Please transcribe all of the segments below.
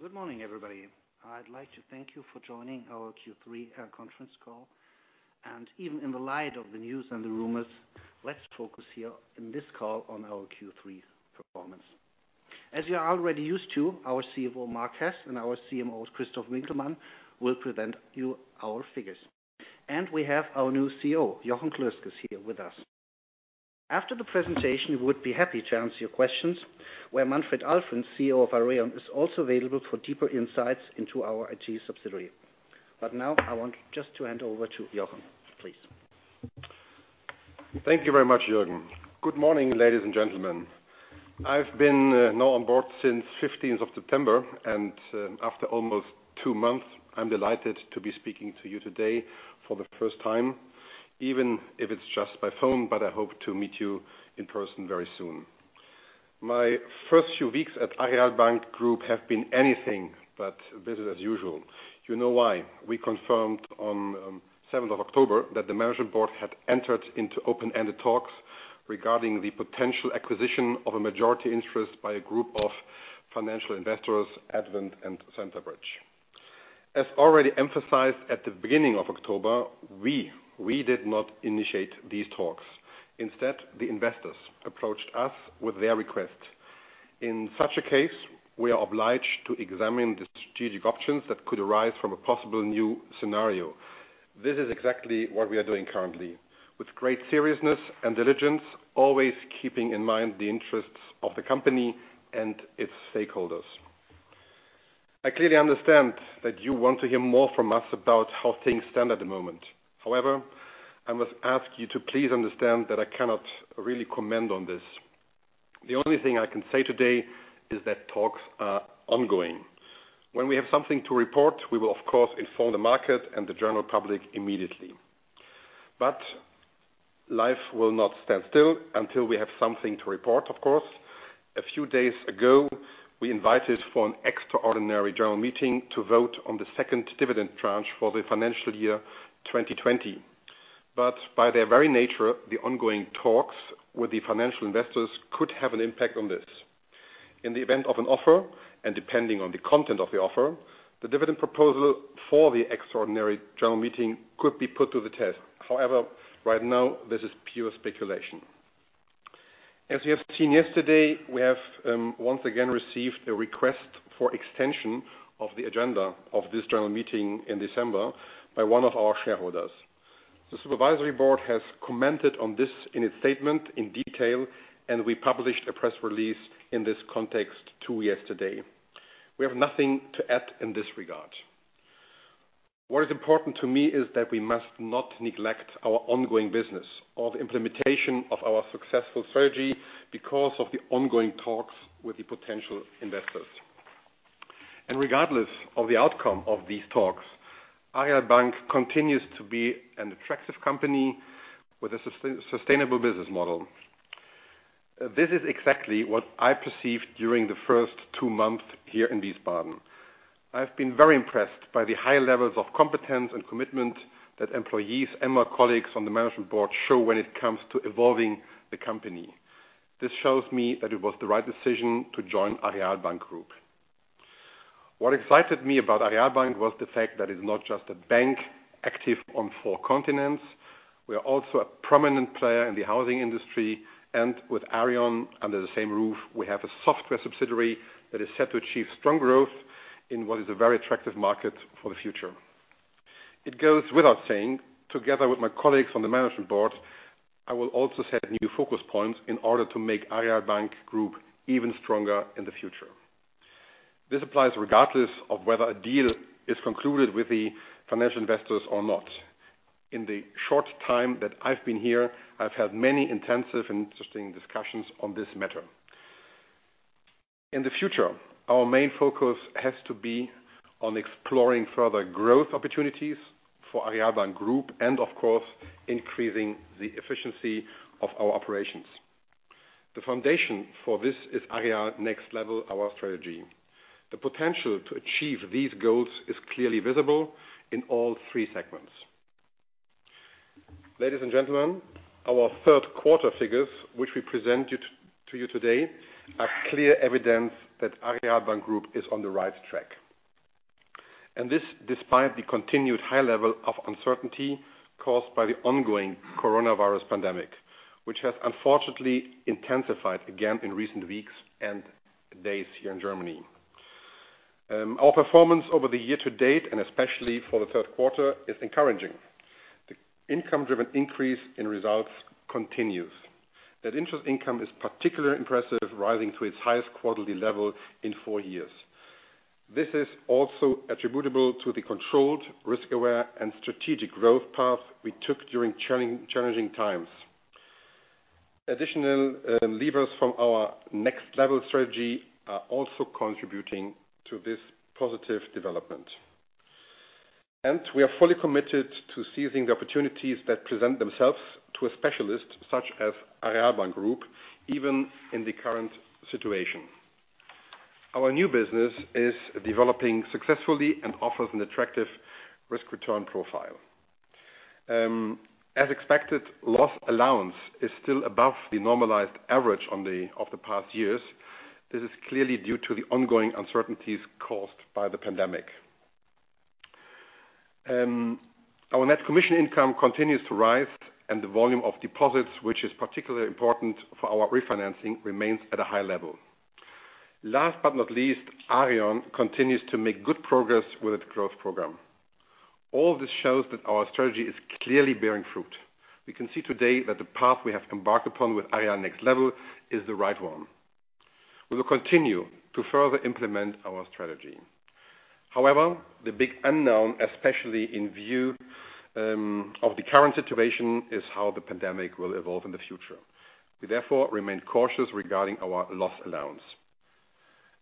Good morning, everybody. I'd like to thank you for joining our Q3 conference call. Even in the light of the news and the rumors, let's focus here in this call on our Q3 performance. As you are already used to, our CFO, Marc Hess, and our CMO, Christof Winkelmann, will present you our figures. We have our new CEO, Jochen Klösges, is here with us. After the presentation, we would be happy to answer your questions, where Manfred Alflen, CEO of Aareon, is also available for deeper insights into our IT subsidiary. Now I want just to hand over to Jochen, please. Thank you very much, Jürgen. Good morning, ladies and gentlemen. I've now been on board since the 15th of September, and after almost two months, I'm delighted to be speaking to you today for the first time, even if it's just by phone, but I hope to meet you in person very soon. My first few weeks at Aareal Bank Group have been anything but business as usual. You know why. We confirmed on the 7th of October that the management board had entered into open-ended talks regarding the potential acquisition of a majority interest by a group of financial investors, Advent and Centerbridge. As already emphasized at the beginning of October, we did not initiate these talks. Instead, the investors approached us with their request. In such a case, we are obliged to examine the strategic options that could arise from a possible new scenario. This is exactly what we are doing currently. With great seriousness and diligence, always keeping in mind the interests of the company and its stakeholders. I clearly understand that you want to hear more from us about how things stand at the moment. However, I must ask you to please understand that I cannot really comment on this. The only thing I can say today is that talks are ongoing. When we have something to report, we will, of course, inform the market and the general public immediately. Life will not stand still until we have something to report, of course. A few days ago, we invited for an extraordinary general meeting to vote on the second dividend tranche for the financial year 2020. By their very nature, the ongoing talks with the financial investors could have an impact on this. In the event of an offer, and depending on the content of the offer, the dividend proposal for the extraordinary general meeting could be put to the test. However, right now, this is pure speculation. As you have seen yesterday, we have once again received a request for extension of the agenda of this general meeting in December by one of our shareholders. The supervisory board has commented on this in its statement in detail, and we published a press release in this context, too, yesterday. We have nothing to add in this regard. What is important to me is that we must not neglect our ongoing business or the implementation of our successful strategy because of the ongoing talks with the potential investors. Regardless of the outcome of these talks, Aareal Bank continues to be an attractive company with a sustainable business model. This is exactly what I perceived during the first two months here in Wiesbaden. I've been very impressed by the high levels of competence and commitment that employees and my colleagues on the management board show when it comes to evolving the company. This shows me that it was the right decision to join Aareal Bank Group. What excited me about Aareal Bank was the fact that it's not just a bank active on four continents. We are also a prominent player in the housing industry. With Aareon under the same roof, we have a software subsidiary that is set to achieve strong growth in what is a very attractive market for the future. It goes without saying, together with my colleagues on the management board, I will also set new focus points in order to make Aareal Bank Group even stronger in the future. This applies regardless of whether a deal is concluded with the financial investors or not. In the short time that I've been here, I've had many intensive and interesting discussions on this matter. In the future, our main focus has to be on exploring further growth opportunities for Aareal Bank Group and, of course, increasing the efficiency of our operations. The foundation for this is Aareal Next Level, our strategy. The potential to achieve these goals is clearly visible in all three segments. Ladies and gentlemen, our third-quarter figures, which we present to you today, are clear evidence that Aareal Bank Group is on the right track. This despite the continued high level of uncertainty caused by the ongoing coronavirus pandemic, which has unfortunately intensified again in recent weeks and days here in Germany. Our performance over the year to date, and especially for the third quarter, is encouraging. The income-driven increase in results continues. That interest income is particularly impressive, rising to its highest quarterly level in four years. This is also attributable to the controlled, risk-aware, and strategic growth path we took during challenging times. Additional levers from our NextLevel strategy are also contributing to this positive development. We are fully committed to seizing the opportunities that present themselves to a specialist such as Aareal Bank Group, even in the current situation. Our new business is developing successfully and offers an attractive risk-return profile. As expected, loss allowance is still above the normalized average of the past years. This is clearly due to the ongoing uncertainties caused by the pandemic. Our net commission income continues to rise, and the volume of deposits, which is particularly important for our refinancing, remains at a high level. Last but not least, Aareon continues to make good progress with its growth program. All this shows that our strategy is clearly bearing fruit. We can see today that the path we have embarked upon with Aareal Next Level is the right one. We will continue to further implement our strategy. However, the big unknown, especially in view of the current situation, is how the pandemic will evolve in the future. We therefore remain cautious regarding our loss allowance.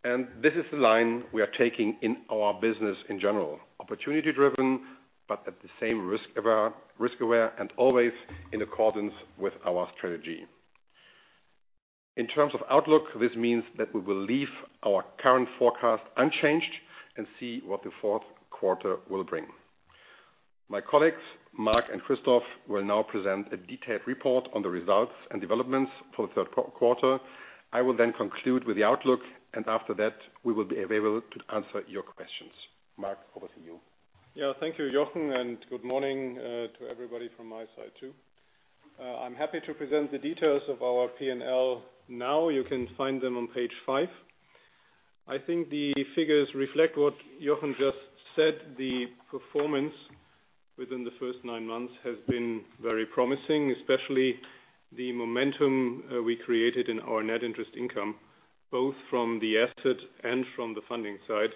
This is the line we are taking in our business in general, opportunity-driven, but at the same risk aware and always in accordance with our strategy. In terms of outlook, this means that we will leave our current forecast unchanged and see what the fourth quarter will bring. My colleagues, Marc and Christof, will now present a detailed report on the results and developments for the third quarter. I will then conclude with the outlook, and after that, we will be available to answer your questions. Marc, over to you. Thank you, Jochen, and good morning to everybody from my side too. I'm happy to present the details of our P&L now. You can find them on Page five. I think the figures reflect what Jochen just said. The performance within the first nine months has been very promising, especially the momentum we created in our net interest income, both from the asset and from the funding side,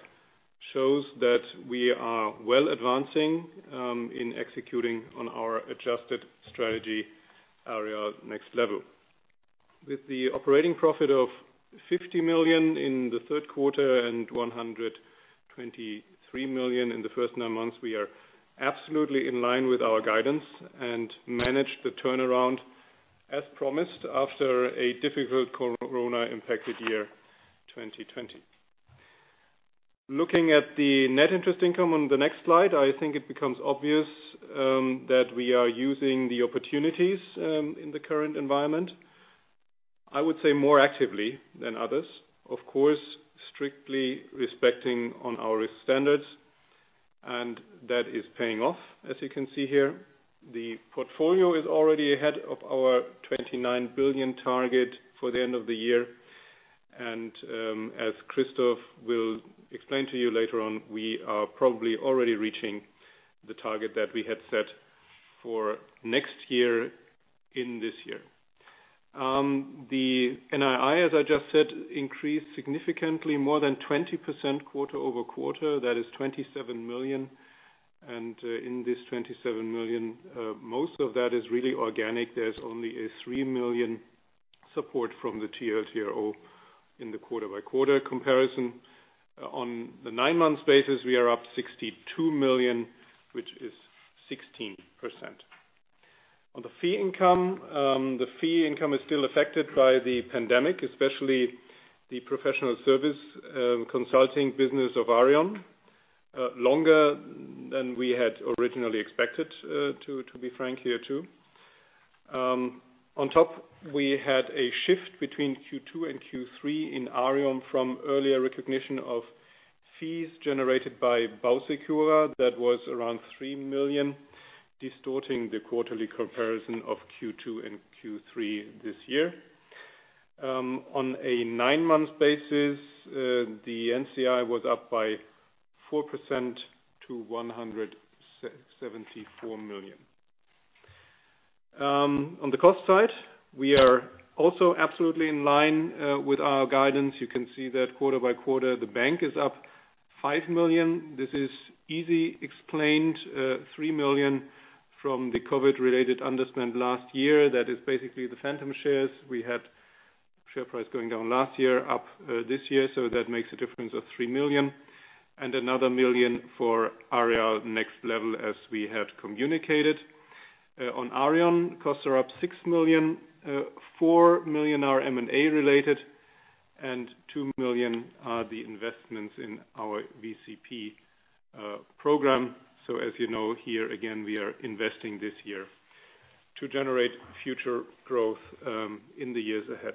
shows that we are well advancing in executing on our adjusted strategy, Aareal Next Level. With the operating profit of 50 million in the third quarter and 123 million in the first nine months, we are absolutely in line with our guidance and managed the turnaround as promised after a difficult Corona-impacted year, 2020. Looking at the net interest income on the next slide, I think it becomes obvious that we are using the opportunities in the current environment, I would say more actively than others. Of course, strictly respecting on our risk standards, and that is paying off, as you can see here. The portfolio is already ahead of our 29 billion target for the end of the year. As Christof will explain to you later on, we are probably already reaching the target that we had set for next year in this year. The NII, as I just said, increased significantly more than 20% quarter-over-quarter. That is 27 million. In this 27 million, most of that is really organic. There's only a 3 million support from the TLTRO in the quarter-by-quarter comparison. On the nine-month basis, we are up 62 million, which is 16%. On the fee income, the fee income is still affected by the pandemic, especially the professional service consulting business of Aareon, longer than we had originally expected, to be frank here too. On top, we had a shift between Q2 and Q3 in Aareon from earlier recognition of fees generated by BauSecura that was around 3 million, distorting the quarterly comparison of Q2 and Q3 this year. On a nine-month basis, the NCI was up by 4% to 174 million. On the cost side, we are also absolutely in line with our guidance. You can see that quarter by quarter, the bank is up 5 million. This is easily explained, 3 million from the COVID-related underspend last year. That is basically the phantom shares. We had share price going down last year, up this year, so that makes a difference of 3 million and another 1 million for Aareon Next Level, as we had communicated. On Aareon, costs are up 6 million. 4 million are M&A-related, and two million are the investments in our VCP program. As you know, here again, we are investing this year to generate future growth in the years ahead.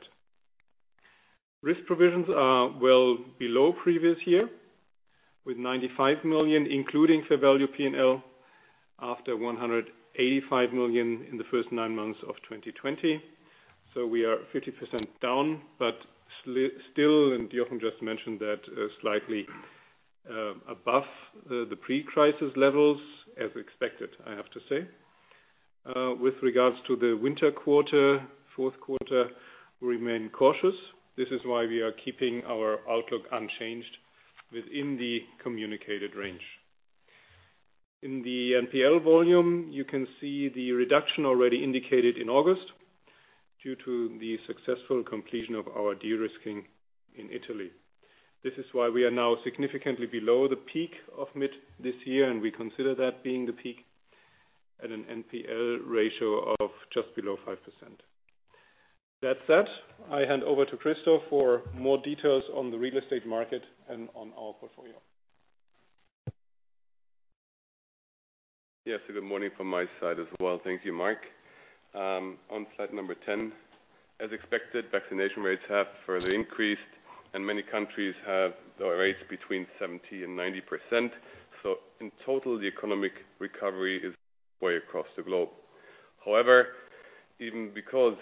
Risk provisions are well below previous year with 95 million, including fair value P&L after 185 million in the first nine months of 2020. We are 50% down, but still, and Jochen just mentioned that, slightly above the pre-crisis levels as expected, I have to say. With regards to the winter quarter, fourth quarter, we remain cautious. This is why we are keeping our outlook unchanged within the communicated range. In the NPL volume, you can see the reduction already indicated in August due to the successful completion of our de-risking in Italy. This is why we are now significantly below the peak of mid this year, and we consider that being the peak at an NPL ratio of just below 5%. That said, I hand over to Christof for more details on the real estate market and on our portfolio. Yes. Good morning from my side as well. Thank you, Marc. On slide number 10, as expected, vaccination rates have further increased, and many countries have their rates between 70% and 90%. In total, the economic recovery is underway across the globe. However, even because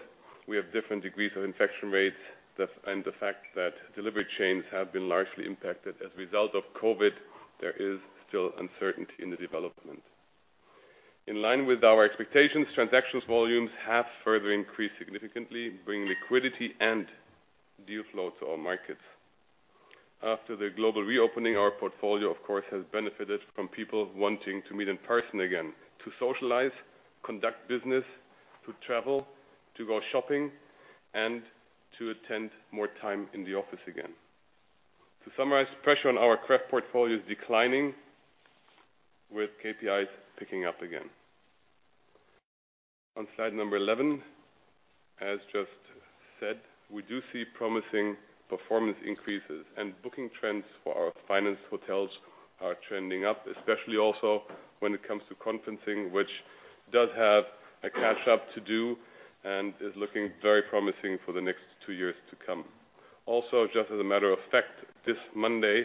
we have different degrees of infection rates and the fact that supply chains have been largely impacted as a result of COVID, there is still uncertainty in the development. In line with our expectations, transaction volumes have further increased significantly, bringing liquidity and deal flow to our markets. After the global reopening, our portfolio, of course, has benefited from people wanting to meet in person again to socialize, conduct business, to travel, to go shopping, and to spend more time in the office again. To summarize, pressure on our CRE portfolio is declining with KPIs picking up again. On slide number 11, as just said, we do see promising performance increases, and booking trends for our financed hotels are trending up, especially also when it comes to conferencing, which does have a catch-up to do and is looking very promising for the next two years to come. Also, just as a matter of fact, this Monday,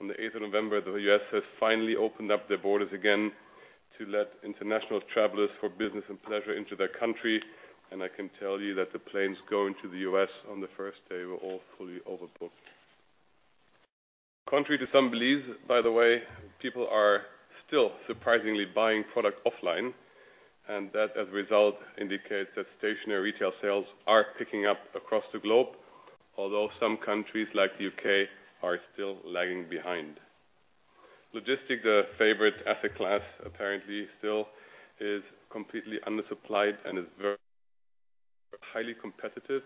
on the eighth of November, the U.S. has finally opened up their borders again to let international travelers for business and pleasure into their country. I can tell you that the planes going to the U.S. on the first day were all fully overbooked. Contrary to some beliefs, by the way, people are still surprisingly buying product offline, and that, as a result, indicates that stationary retail sales are picking up across the globe. Although some countries, like the U.K., are still lagging behind. Logistics, a favorite asset class, apparently still is completely undersupplied and is a highly competitive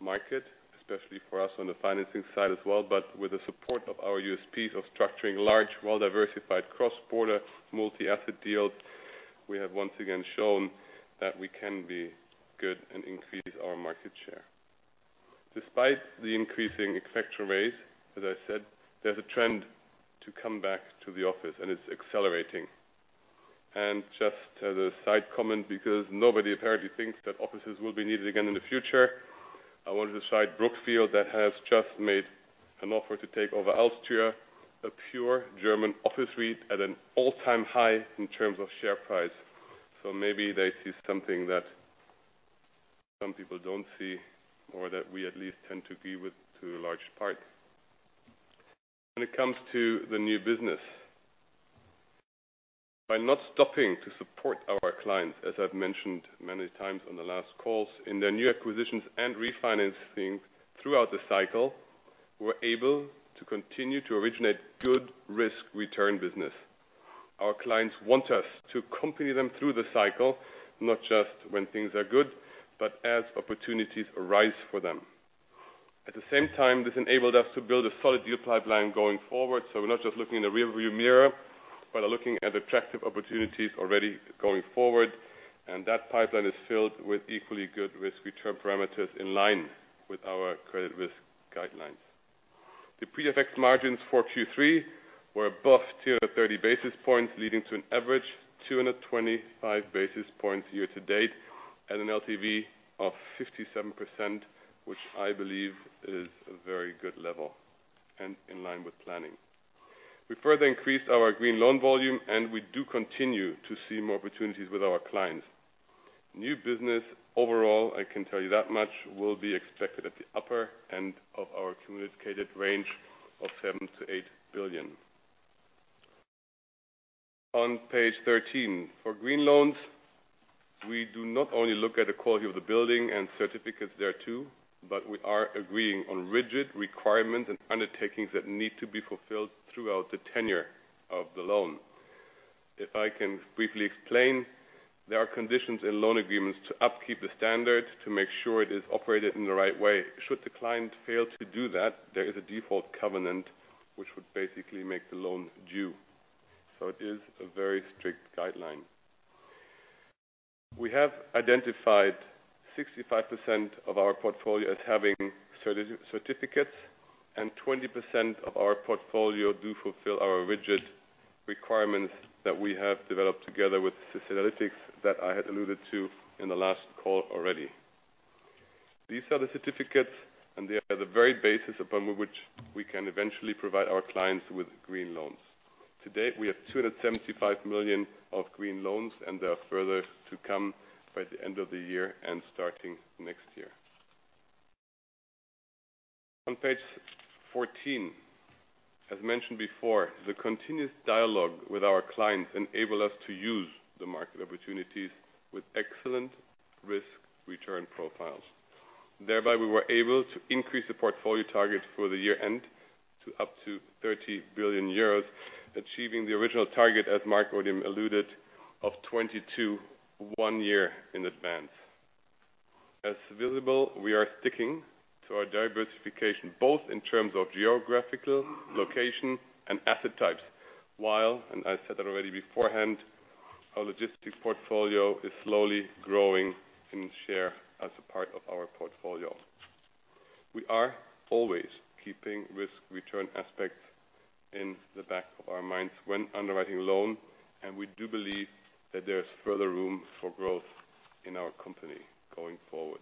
market, especially for us on the financing side as well. With the support of our USPs of structuring large, well-diversified cross-border multi-asset deals, we have once again shown that we can be good and increase our market share. Despite the increasing infection rates, as I said, there's a trend to come back to the office, and it's accelerating. Just as a side comment, because nobody apparently thinks that offices will be needed again in the future, I wanted to cite Brookfield, that has just made an offer to take over alstria, a pure German office REIT, at an all-time high in terms of share price. Maybe they see something that some people don't see or that we at least tend to agree with to a large part. When it comes to the new business, by not stopping to support our clients, as I've mentioned many times on the last calls, in their new acquisitions and refinancing throughout the cycle, we're able to continue to originate good risk-return business. Our clients want us to accompany them through the cycle, not just when things are good, but as opportunities arise for them. At the same time, this enabled us to build a solid deal pipeline going forward. So we're not just looking in the rearview mirror, but are looking at attractive opportunities already going forward. That pipeline is filled with equally good risk return parameters in line with our credit risk guidelines. The pre-effect margins for Q3 were above 230 basis points, leading to an average 225 basis points year to date at an LTV of 57%, which I believe is a very good level and in line with planning. We further increased our green loan volume, and we do continue to see more opportunities with our clients. New business overall, I can tell you that much, will be expected at the upper end of our communicated range of 7 billion-8 billion. On page 13. For green loans, we do not only look at the quality of the building and certificates there too, but we are agreeing on rigid requirements and undertakings that need to be fulfilled throughout the tenure of the loan. If I can briefly explain, there are conditions in loan agreements to upkeep the standards to make sure it is operated in the right way. Should the client fail to do that, there is a default covenant which would basically make the loan due. It is a very strict guideline. We have identified 65% of our portfolio as having certificates, and 20% of our portfolio do fulfill our rigid requirements that we have developed together with Sustainalytics that I had alluded to in the last call already. These are the certificates, and they are the very basis upon which we can eventually provide our clients with green loans. To date, we have 275 million of green loans, and they are further to come by the end of the year and starting next year. On page 14. As mentioned before, the continuous dialogue with our clients enable us to use the market opportunities with excellent risk-return profiles. Thereby, we were able to increase the portfolio target for the year-end to up to 30 billion euros, achieving the original target, as Mark had just alluded, of 22 billion, one year in advance. As visible, we are sticking to our diversification, both in terms of geographical location and asset types. Our logistics portfolio is slowly growing in share as a part of our portfolio. We are always keeping risk-return aspect in the back of our minds when underwriting a loan, and we do believe that there's further room for growth in our company going forward.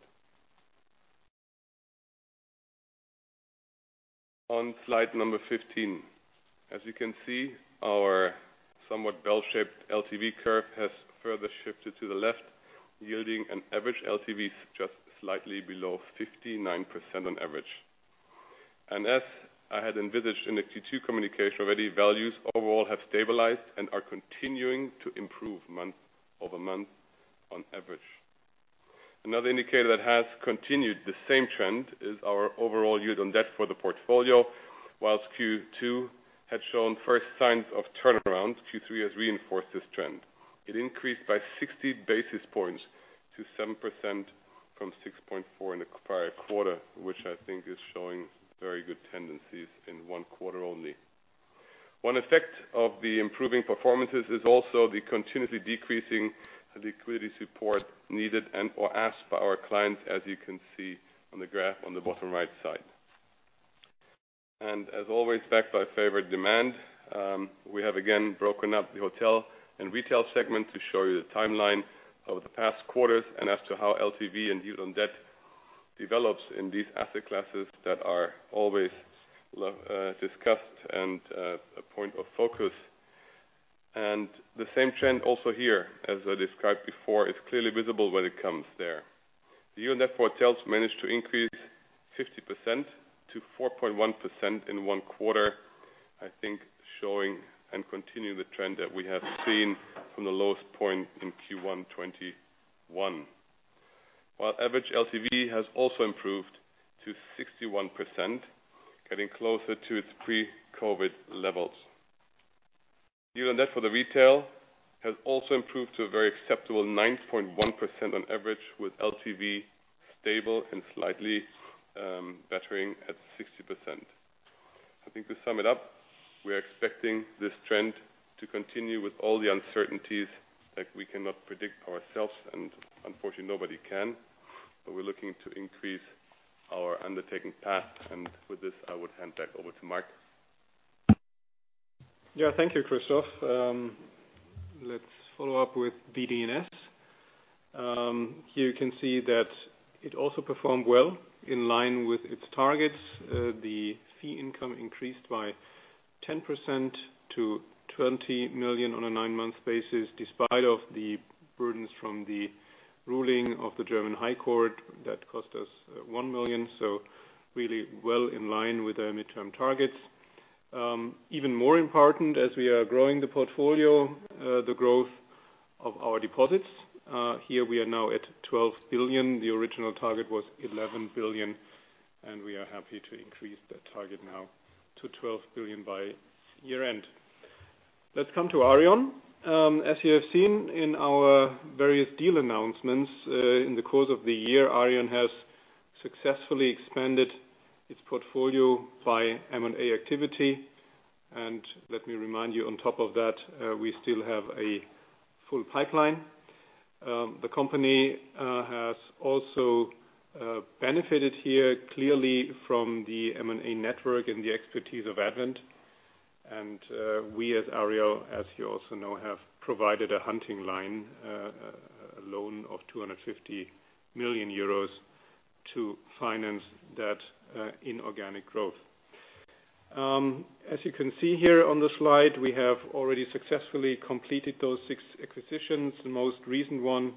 On slide number 15, as you can see, our somewhat bell-shaped LTV curve has further shifted to the left, yielding an average LTV just slightly below 59% on average. As I had envisaged in the Q2 communication already, values overall have stabilized and are continuing to improve month-over-month on average. Another indicator that has continued the same trend is our overall yield on debt for the portfolio. While Q2 had shown first signs of turnaround, Q3 has reinforced this trend. It increased by 60 basis points to 7% from 6.4 in the prior quarter, which I think is showing very good tendencies in one quarter only. One effect of the improving performances is also the continuously decreasing liquidity support needed and/or asked by our clients, as you can see on the graph on the bottom right side. Backed by favorable demand, we have again broken up the hotel and retail segment to show you the timeline of the past quarters and as to how LTV and yield on debt develops in these asset classes that are always discussed and a point of focus. The same trend also here, as I described before, is clearly visible when it comes there. The yield on debt for hotels managed to increase 50% - 4.1% in one quarter, I think showing and continuing the trend that we have seen from the lowest point in Q1 2021. While average LTV has also improved to 61%, getting closer to its pre-COVID levels. Yield on debt for the retail has also improved to a very acceptable 9.1% on average, with LTV stable and slightly bettering at 60%. I think to sum it up, we are expecting this trend to continue with all the uncertainties that we cannot predict ourselves, and unfortunately, nobody can. We're looking to increase our undertaking path. With this, I would hand back over to Marc. Thank you, Christof. Let's follow up with BDS. Here you can see that it also performed well in line with its targets. The fee income increased by 10% to 20 million on a nine-month basis, despite the burdens from the ruling of the German Federal Court of Justice that cost us 1 million. Really well in line with our midterm targets. Even more important, as we are growing the portfolio, the growth of our deposits. Here we are now at 12 billion. The original target was 11 billion, and we are happy to increase that target now to 12 billion by year-end. Let's come to Aareon. As you have seen in our various deal announcements, in the course of the year, Aareon has successfully expanded its portfolio by M&A activity. Let me remind you, on top of that, we still have a full pipeline. The company has also benefited here clearly from the M&A network and the expertise of Advent. We as Aareon, as you also know, have provided a Hunting Line, a loan of 250 million euros to finance that, inorganic growth. As you can see here on the slide, we have already successfully completed those 6 acquisitions. The most recent one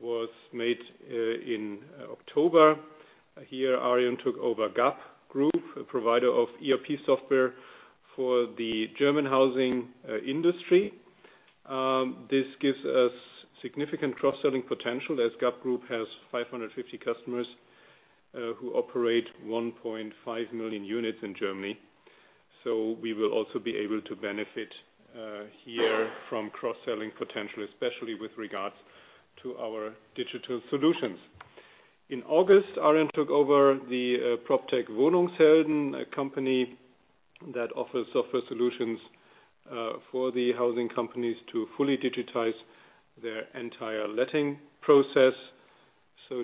was made in October. Here, Aareon took over GAP Group, a provider of ERP software for the German housing industry. This gives us significant cross-selling potential, as GAP Group has 550 customers, who operate 1.5 million units in Germany. We will also be able to benefit here from cross-selling potential, especially with regards to our digital solutions. In August, Aareon took over the PropTech Wohnungshelden, a company that offers software solutions for the housing companies to fully digitize their entire letting process.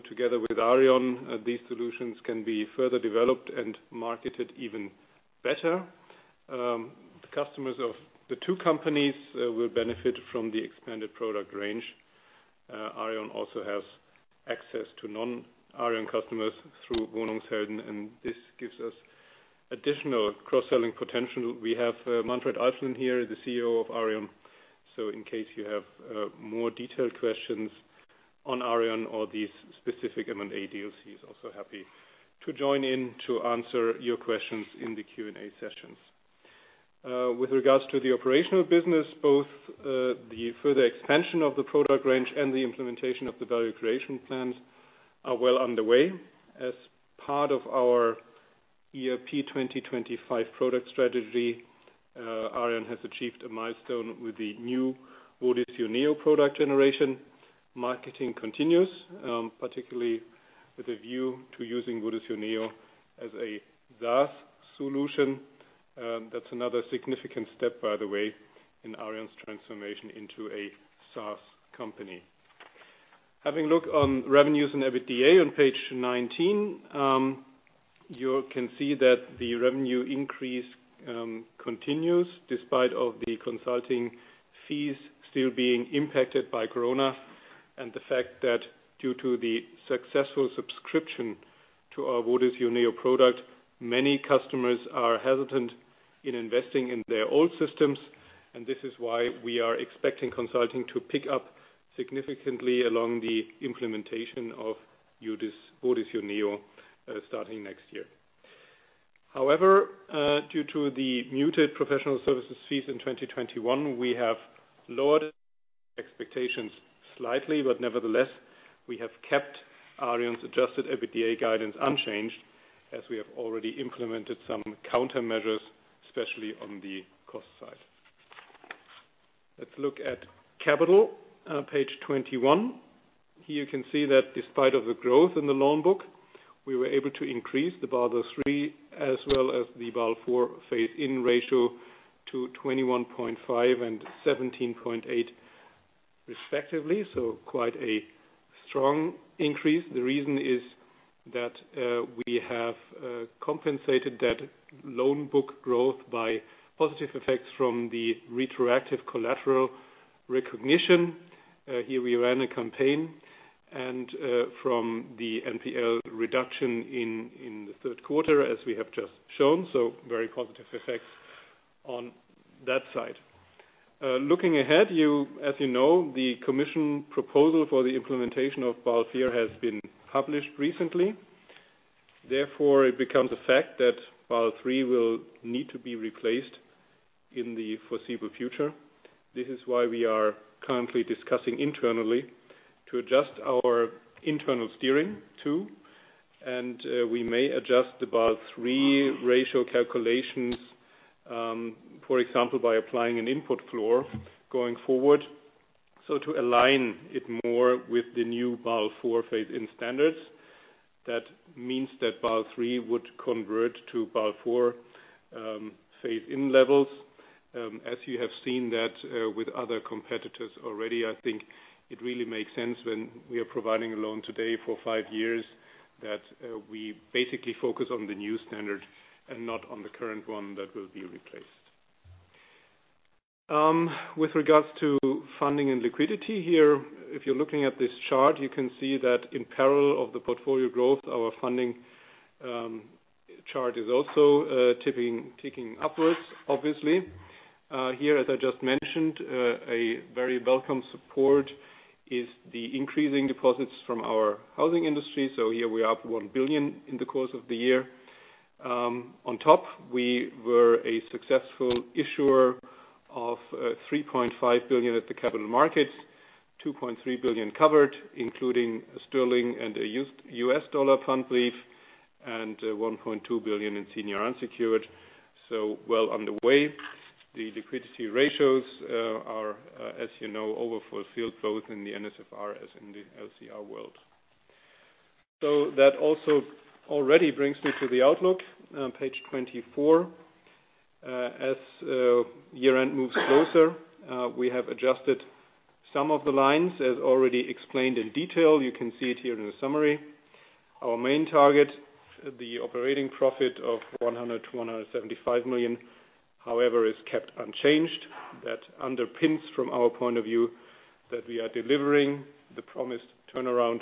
Together with Aareon, these solutions can be further developed and marketed even better. The customers of the two companies will benefit from the expanded product range. Aareon also has access to non-Aareon customers through Wohnungshelden, and this gives us additional cross-selling potential. We have Manfred Alflen here, the CEO of Aareon. In case you have more detailed questions on Aareon or these specific M&A deals, he's also happy to join in to answer your questions in the Q&A sessions. With regards to the operational business, both the further expansion of the product range and the implementation of the value creation plans are well underway. As part of our ERP 2025 product strategy, Aareon has achieved a milestone with the new Wodis Yuneo product generation. Marketing continues, particularly with a view to using Bordir Neo as a SaaS solution. That's another significant step, by the way, in Aareon's transformation into a SaaS company. Having looked on revenues and EBITDA on page 19, you can see that the revenue increase continues despite the consulting fees still being impacted by COVID-19 and the fact that due to the successful subscription to our Wodis Yuneo product, many customers are hesitant in investing in their own systems. This is why we are expecting consulting to pick up significantly along the implementation of Bordir Neo, starting next year. However, due to the muted professional services fees in 2021, we have lowered expectations slightly. Nevertheless, we have kept Aareon's adjusted EBITDA guidance unchanged as we have already implemented some countermeasures, especially on the cost side. Let's look at capital, page 21. Here you can see that despite of the growth in the loan book, we were able to increase the Basel III as well as the Basel IV phase-in ratio to 21.5 and 17.8 respectively. Quite a strong increase. The reason is that, we have compensated that loan book growth by positive effects from the retroactive collateral recognition. Here we ran a campaign and from the NPL reduction in the third quarter, as we have just shown. Very positive effects on that side. Looking ahead, you as you know, the commission proposal for the implementation of Basel IV has been published recently. Therefore, it becomes a fact that Basel III will need to be replaced in the foreseeable future. This is why we are currently discussing internally to adjust our internal steering to, and we may adjust the Basel III ratio calculations, for example, by applying an input floor going forward. To align it more with the new Basel IV phase-in standards. That means that Basel III would convert to Basel IV phase-in levels. As you have seen that with other competitors already, I think it really makes sense when we are providing a loan today for five years that we basically focus on the new standard and not on the current one that will be replaced. With regards to funding and liquidity here, if you're looking at this chart, you can see that in parallel with the portfolio growth, our funding chart is also ticking upwards, obviously. Here, as I just mentioned, a very welcome support is the increasing deposits from our housing industry. Here we are up 1 billion in the course of the year. On top, we were a successful issuer of 3.5 billion at the capital markets, 2.3 billion covered, including a sterling and a US dollar Pfandbrief, and 1.2 billion in senior unsecured. Well on the way. The liquidity ratios are, as you know, overfulfilled both in the NSFR as in the LCR world. That also already brings me to the outlook on page 24. As year-end moves closer, we have adjusted some of the lines, as already explained in detail. You can see it here in the summary. Our main target, the operating profit of 100 million-175 million, however, is kept unchanged. That underpins from our point of view that we are delivering the promised turnaround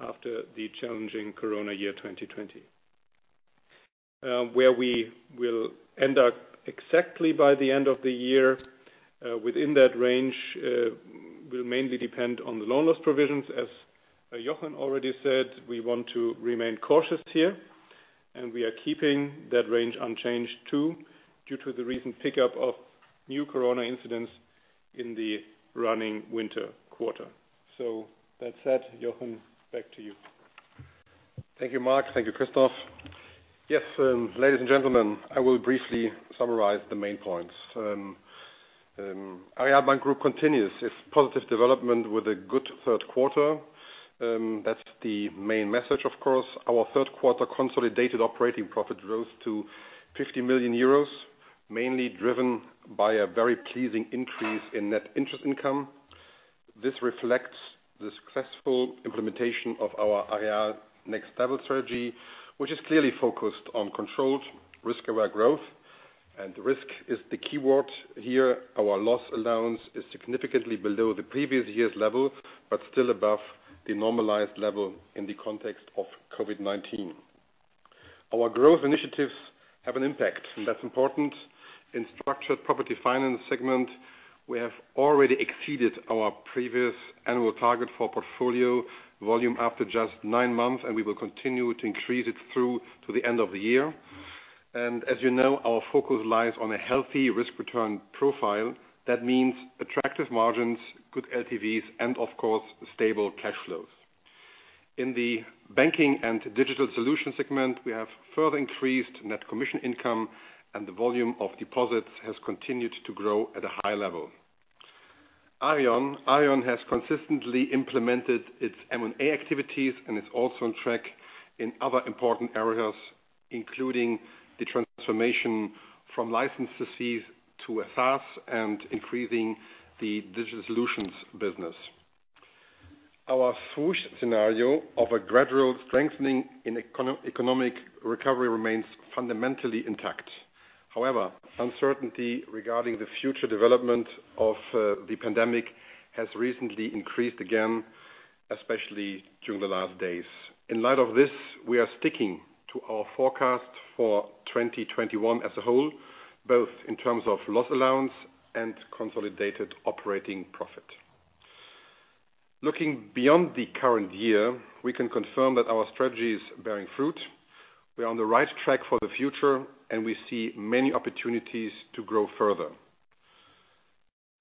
after the challenging Corona year 2020. Where we will end up exactly by the end of the year, within that range, will mainly depend on the loan loss provisions. As Jochen already said, we want to remain cautious here, and we are keeping that range unchanged too, due to the recent pickup of new corona incidents in the running winter quarter. That said, Jochen, back to you. Thank you, Marc. Thank you, Christof Yes, ladies and gentlemen, I will briefly summarize the main points. Aareal Bank Group continues its positive development with a good third quarter. That's the main message, of course. Our third quarter consolidated operating profit rose to 50 million euros, mainly driven by a very pleasing increase in net interest income. This reflects the successful implementation of our Aareal Next Level strategy, which is clearly focused on controlled risk-aware growth. Risk is the keyword here. Our loss allowance is significantly below the previous year's level, but still above the normalized level in the context of COVID-19. Our growth initiatives have an impact, and that's important. In the Structured Property Financing segment, we have already exceeded our previous annual target for portfolio volume after just nine months, and we will continue to increase it through to the end of the year. As you know, our focus lies on a healthy risk-return profile. That means attractive margins, good LTVs, and of course, stable cash flows. In the Banking & Digital Solutions segment, we have further increased net commission income and the volume of deposits has continued to grow at a high level. Aareon has consistently implemented its M&A activities and is also on track in other important areas, including the transformation from license fees to SaaS and increasing the digital solutions business. Our full scenario of a gradual strengthening in economic recovery remains fundamentally intact. However, uncertainty regarding the future development of the pandemic has recently increased again, especially during the last days. In light of this, we are sticking to our forecast for 2021 as a whole, both in terms of loss allowance and consolidated operating profit. Looking beyond the current year, we can confirm that our strategy is bearing fruit. We are on the right track for the future, and we see many opportunities to grow further.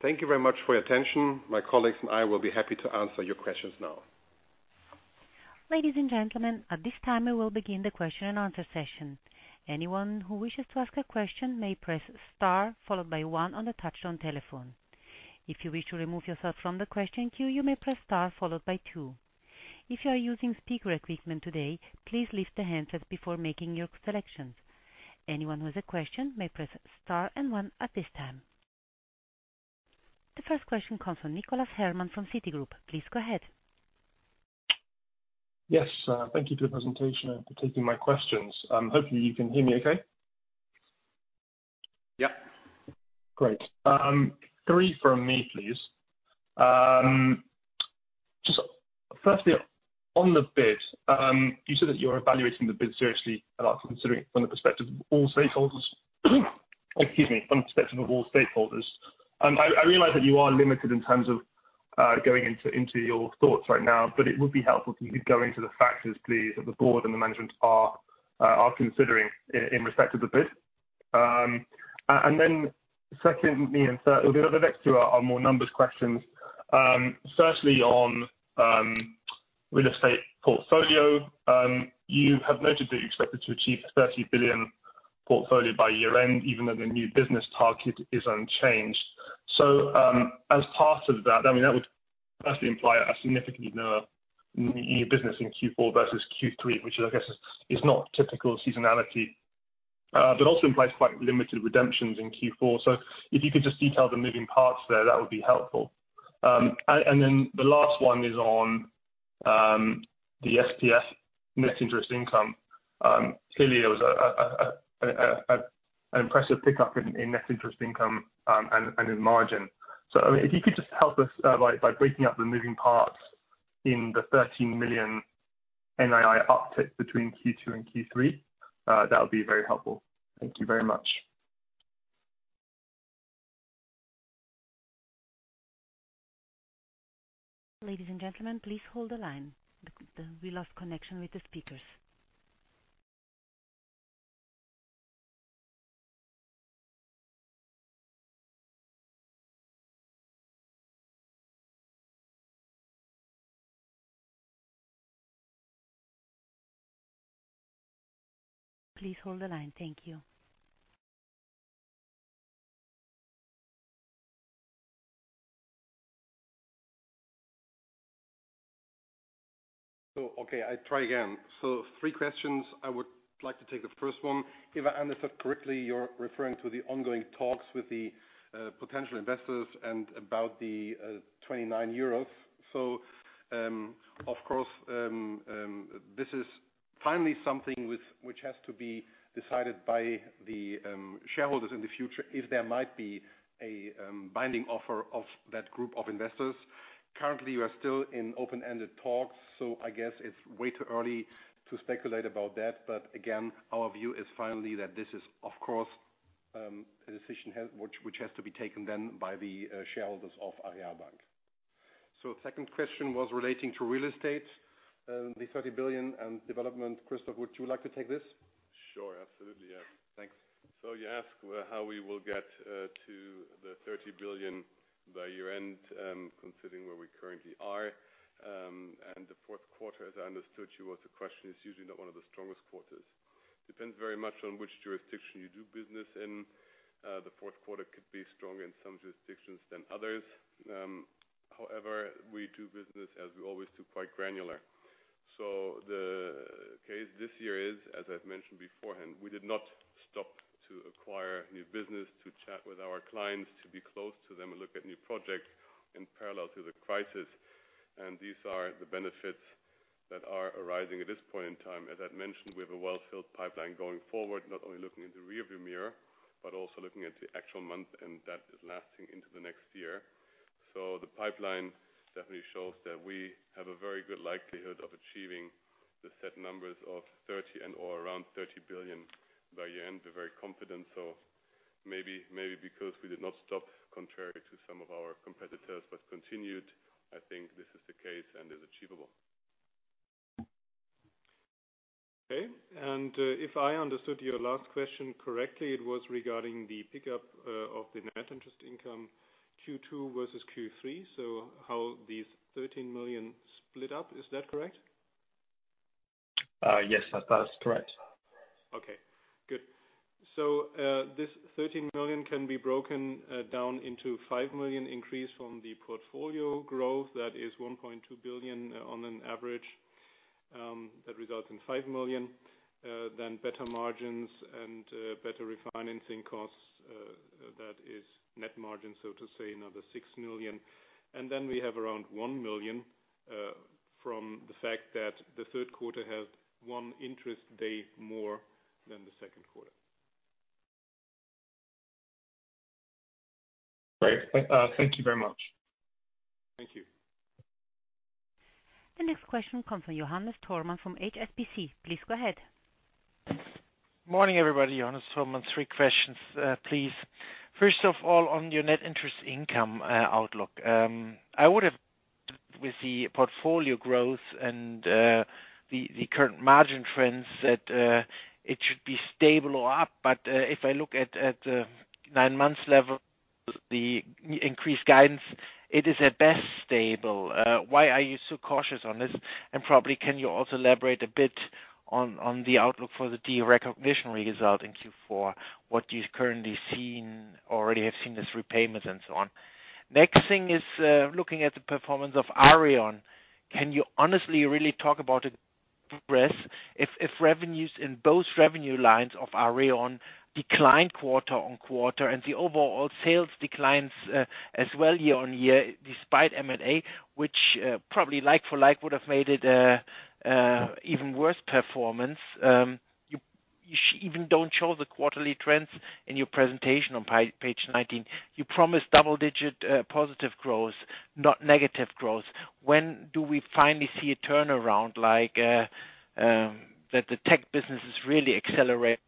Thank you very much for your attention. My colleagues and I will be happy to answer your questions now. Ladies and gentlemen, at this time, we will begin the question and answer session. Anyone who wishes to ask a question may press star followed by one on the touchtone telephone. If you wish to remove yourself from the question queue, you may press star followed by two. If you are using speaker equipment today, please lift the handset before making your selections. Anyone who has a question may press star and one at this time. The first question comes from Nicholas Herman from Citigroup. Please go ahead. Yes, thank you for your presentation and for taking my questions. Hopefully you can hear me okay. Yeah. Great. Three from me, please. Just firstly, on the bid, you said that you're evaluating the bid seriously and are considering from the perspective of all stakeholders, excuse me, from the perspective of all stakeholders. I realize that you are limited in terms of going into your thoughts right now, but it would be helpful if you could go into the factors, please, that the Board and the Management are considering in respect of the bid. And then secondly, and third, the next two are more numbers questions. Firstly on real estate portfolio. You have noted that you expected to achieve a 30 billion portfolio by year-end, even though the new business target is unchanged. As part of that, I mean, that would firstly imply a significantly lower new business in Q4 versus Q3, which I guess is not typical seasonality, but also implies quite limited redemptions in Q4. If you could just detail the moving parts there, that would be helpful. And then the last one is on the SPF net interest income. Clearly, there was an impressive pickup in net interest income and in margin. I mean, if you could just help us by breaking up the moving parts in the 13 million NII uptick between Q2 and Q3, that would be very helpful. Thank you very much. Ladies and gentlemen, please hold the line. The, the-- we lost connection with the speakers. Please hold the line. Thank you. Okay, I try again. Three questions. I would like to take the first one. If I understood correctly, you're referring to the ongoing talks with the potential investors and about the 29 euros. Of course, this is finally something which has to be decided by the shareholders in the future, if there might be a binding offer of that group of investors. Currently, we are still in open-ended talks, so I guess it's way too early to speculate about that. Again, our view is finally that this is, of course, a decision which has to be taken then by the shareholders of Aareal Bank. Second question was relating to real estate, the 30 billion and development. Christof, would you like to take this? Sure. Absolutely, yeah. Thanks. You ask how we will get to 30 billion by year-end, considering where we currently are. The fourth quarter, as I understood you, was the question, is usually not one of the strongest quarters. Depends very much on which jurisdiction you do business in. The fourth quarter could be stronger in some jurisdictions than others. However, we do business as we always do, quite granular. The case this year is, as I've mentioned beforehand, we did not stop to acquire new business, to chat with our clients, to be close to them and look at new projects in parallel to the crisis. These are the benefits that are arising at this point in time. As I've mentioned, we have a well-filled pipeline going forward, not only looking in the rearview mirror, but also looking at the actual month, and that is lasting into the next year. The pipeline definitely shows that we have a very good likelihood of achieving the set numbers of 30 and/or around 30 billion by year-end. We're very confident. Maybe because we did not stop contrary to some of our competitors, but continued, I think this is the case and is achievable. Okay. If I understood your last question correctly, it was regarding the pickup of the net interest income Q2 versus Q3, so how these 13 million split up. Is that correct? Yes, that is correct. Okay, good. This 13 million can be broken down into 5 million increase from the portfolio growth. That is 1.2 billion on average, that results in 5 million. Then better margins and better refinancing costs, that is net margin, so to say another 6 million. Then we have around 1 million from the fact that the third quarter has one interest day more than the second quarter. Great. Thank you very much. Thank you. The next question comes from Johannes Thormann from HSBC. Please go ahead. Morning, everybody. Johannes Thormann. Three questions, please. First of all, on your net interest income outlook. I would have with the portfolio growth and the current margin trends that it should be stable or up. If I look at the nine months level, the increased guidance, it is at best stable. Why are you so cautious on this? Probably can you also elaborate a bit on the outlook for the de-recognition result in Q4, what you've currently seen or already have seen as repayments and so on. Next thing is looking at the performance of Aareon. Can you honestly really talk about progress if revenues in both revenue lines of Aareon declined quarter-on-quarter and the overall sales declines as well year-on-year despite M&A, which probably like for like would have made it even worse performance. You even don't show the quarterly trends in your presentation on page 19. You promised double-digit positive growth, not negative growth. When do we finally see a turnaround like that the tech business is really accelerating?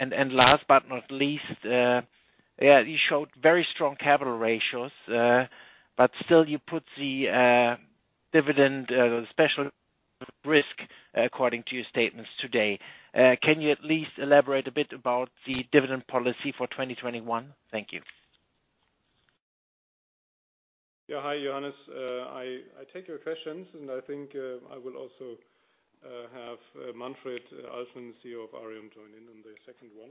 Last but not least, you showed very strong capital ratios, but still you put the dividend special risk according to your statements today. Can you at least elaborate a bit about the dividend policy for 2021? Thank you. Hi, Johannes. I take your questions, and I think I will also have Manfred Alflen, CEO of Aareon, join in on the second one.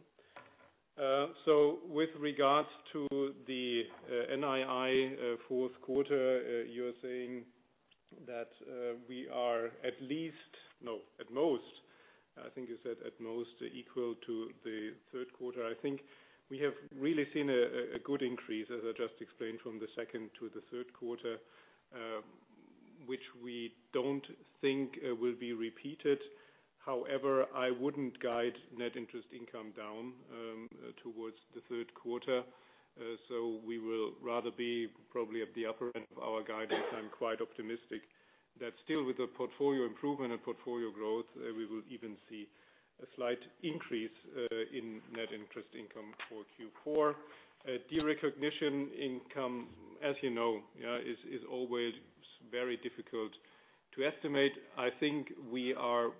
With regards to the NII fourth quarter, you're saying that we are at most, I think you said at most equal to the third quarter. I think we have really seen a good increase, as I just explained, from the second to the third quarter, which we don't think will be repeated. However, I wouldn't guide net interest income down towards the third quarter. We will rather be probably at the upper end of our guidance. I'm quite optimistic that still with the portfolio improvement and portfolio growth, we will even see a slight increase in net interest income for Q4. Derecognition income, as you know, yeah, is always very difficult to estimate. I think we are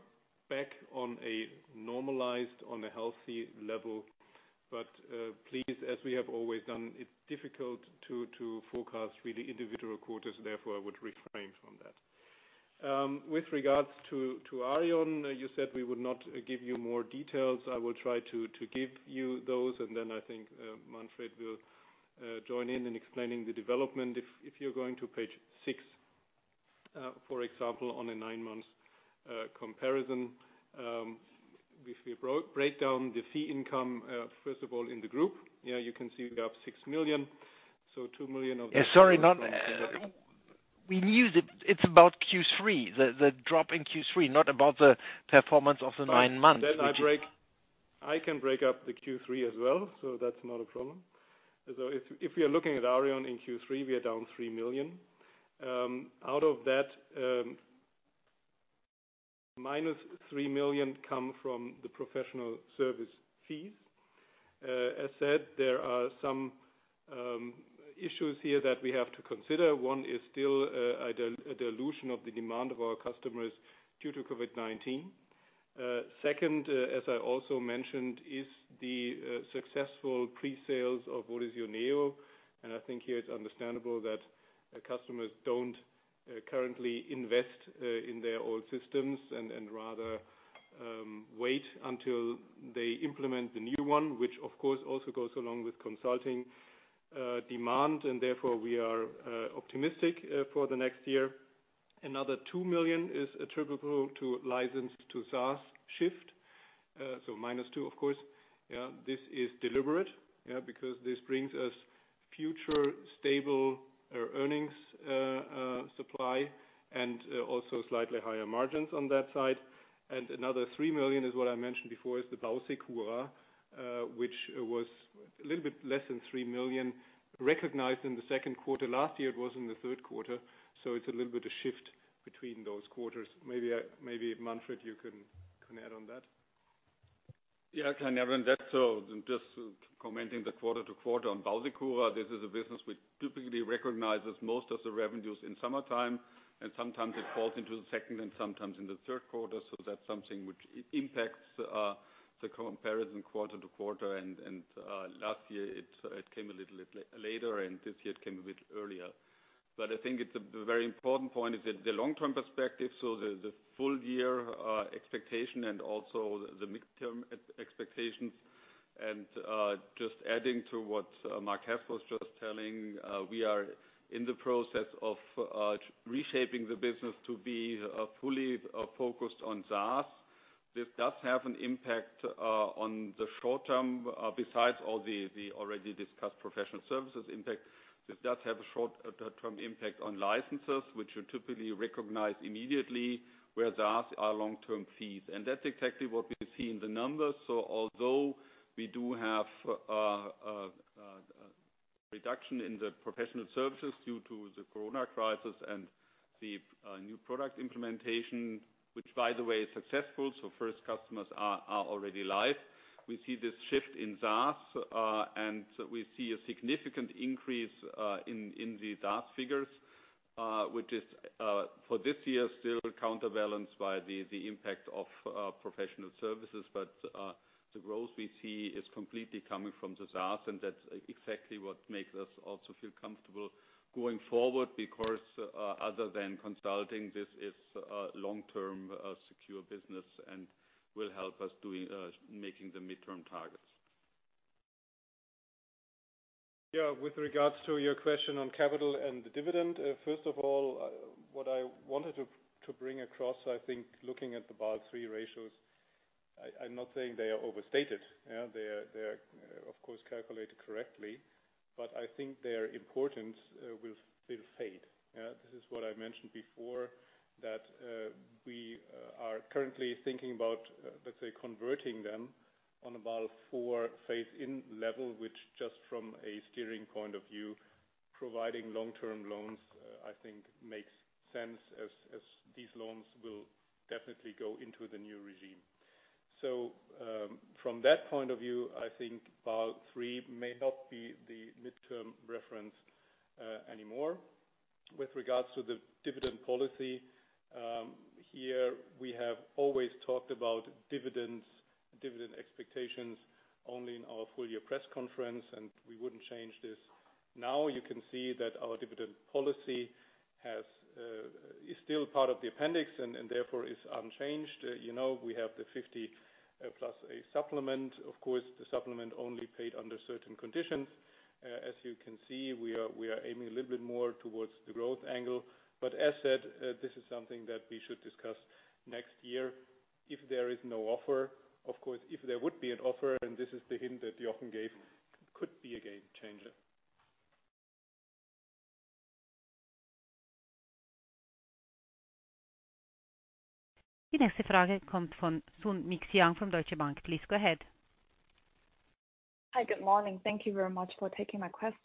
back on a normalized, on a healthy level. Please, as we have always done, it's difficult to forecast really individual quarters, therefore I would refrain from that. With regards to Aareon, you said we would not give you more details. I will try to give you those, and then I think, Manfred will join in explaining the development. If you're going to page six, for example, on a nine months comparison, if you break down the fee income, first of all in the group, yeah, you can see we are up 6 million. So 2 million of that- Yeah, sorry. We knew that it's about Q3, the drop in Q3, not about the performance of the nine months. I can break up the Q3 as well. That's not a problem. If you're looking at Aareon in Q3, we are down 3 million. Out of that, minus 3 million come from the professional service fees. As said, there are some issues here that we have to consider. One is still a dilution of the demand of our customers due to COVID-19. Second, as I also mentioned, is the successful pre-sales of Wodis Yuneo. I think here it's understandable that customers don't currently invest in their old systems and rather wait until they implement the new one, which of course also goes along with consulting demand, and therefore we are optimistic for the next year. Another 2 million is attributable to license to SaaS shift, so - 2 of course. This is deliberate, yeah, because this brings us future stable earnings supply and also slightly higher margins on that side. Another 3 million is what I mentioned before, is the BauSecura, which was a little bit less than 3 million recognized in the second quarter. Last year it was in the third quarter. It's a little bit of shift between those quarters. Maybe Manfred, you can add on that. Yeah. Can everyone hear that? So just commenting on the quarter-to-quarter. Yeah. With regards to your question on capital and the dividend, first of all, what I wanted to bring across, I think looking at the Basel III ratios, I'm not saying they are overstated. Yeah, they are of course calculated correctly, but I think their importance will still fade. Yeah. This is what I mentioned before, that we are currently thinking about, let's say, converting them on a Basel IV phase-in level, which just from a steering point of view, providing long-term loans, I think makes sense as these loans will definitely go into the new regime. From that point of view, I think Basel III may not be the midterm reference anymore. With regards to the dividend policy, here we have always talked about dividends, dividend expectations only in our full-year press conference, and we wouldn't change this. Now you can see that our dividend policy has, is still part of the appendix and therefore is unchanged. You know, we have the 50+ a supplement. Of course, the supplement only paid under certain conditions. As you can see, we are aiming a little bit more towards the growth angle. But as said, this is something that we should discuss next year if there is no offer. Of course, if there would be an offer, and this is the hint that Jochen gave could be a game changer. Please go ahead. Hi. Good morning. Thank you very much for taking my questions.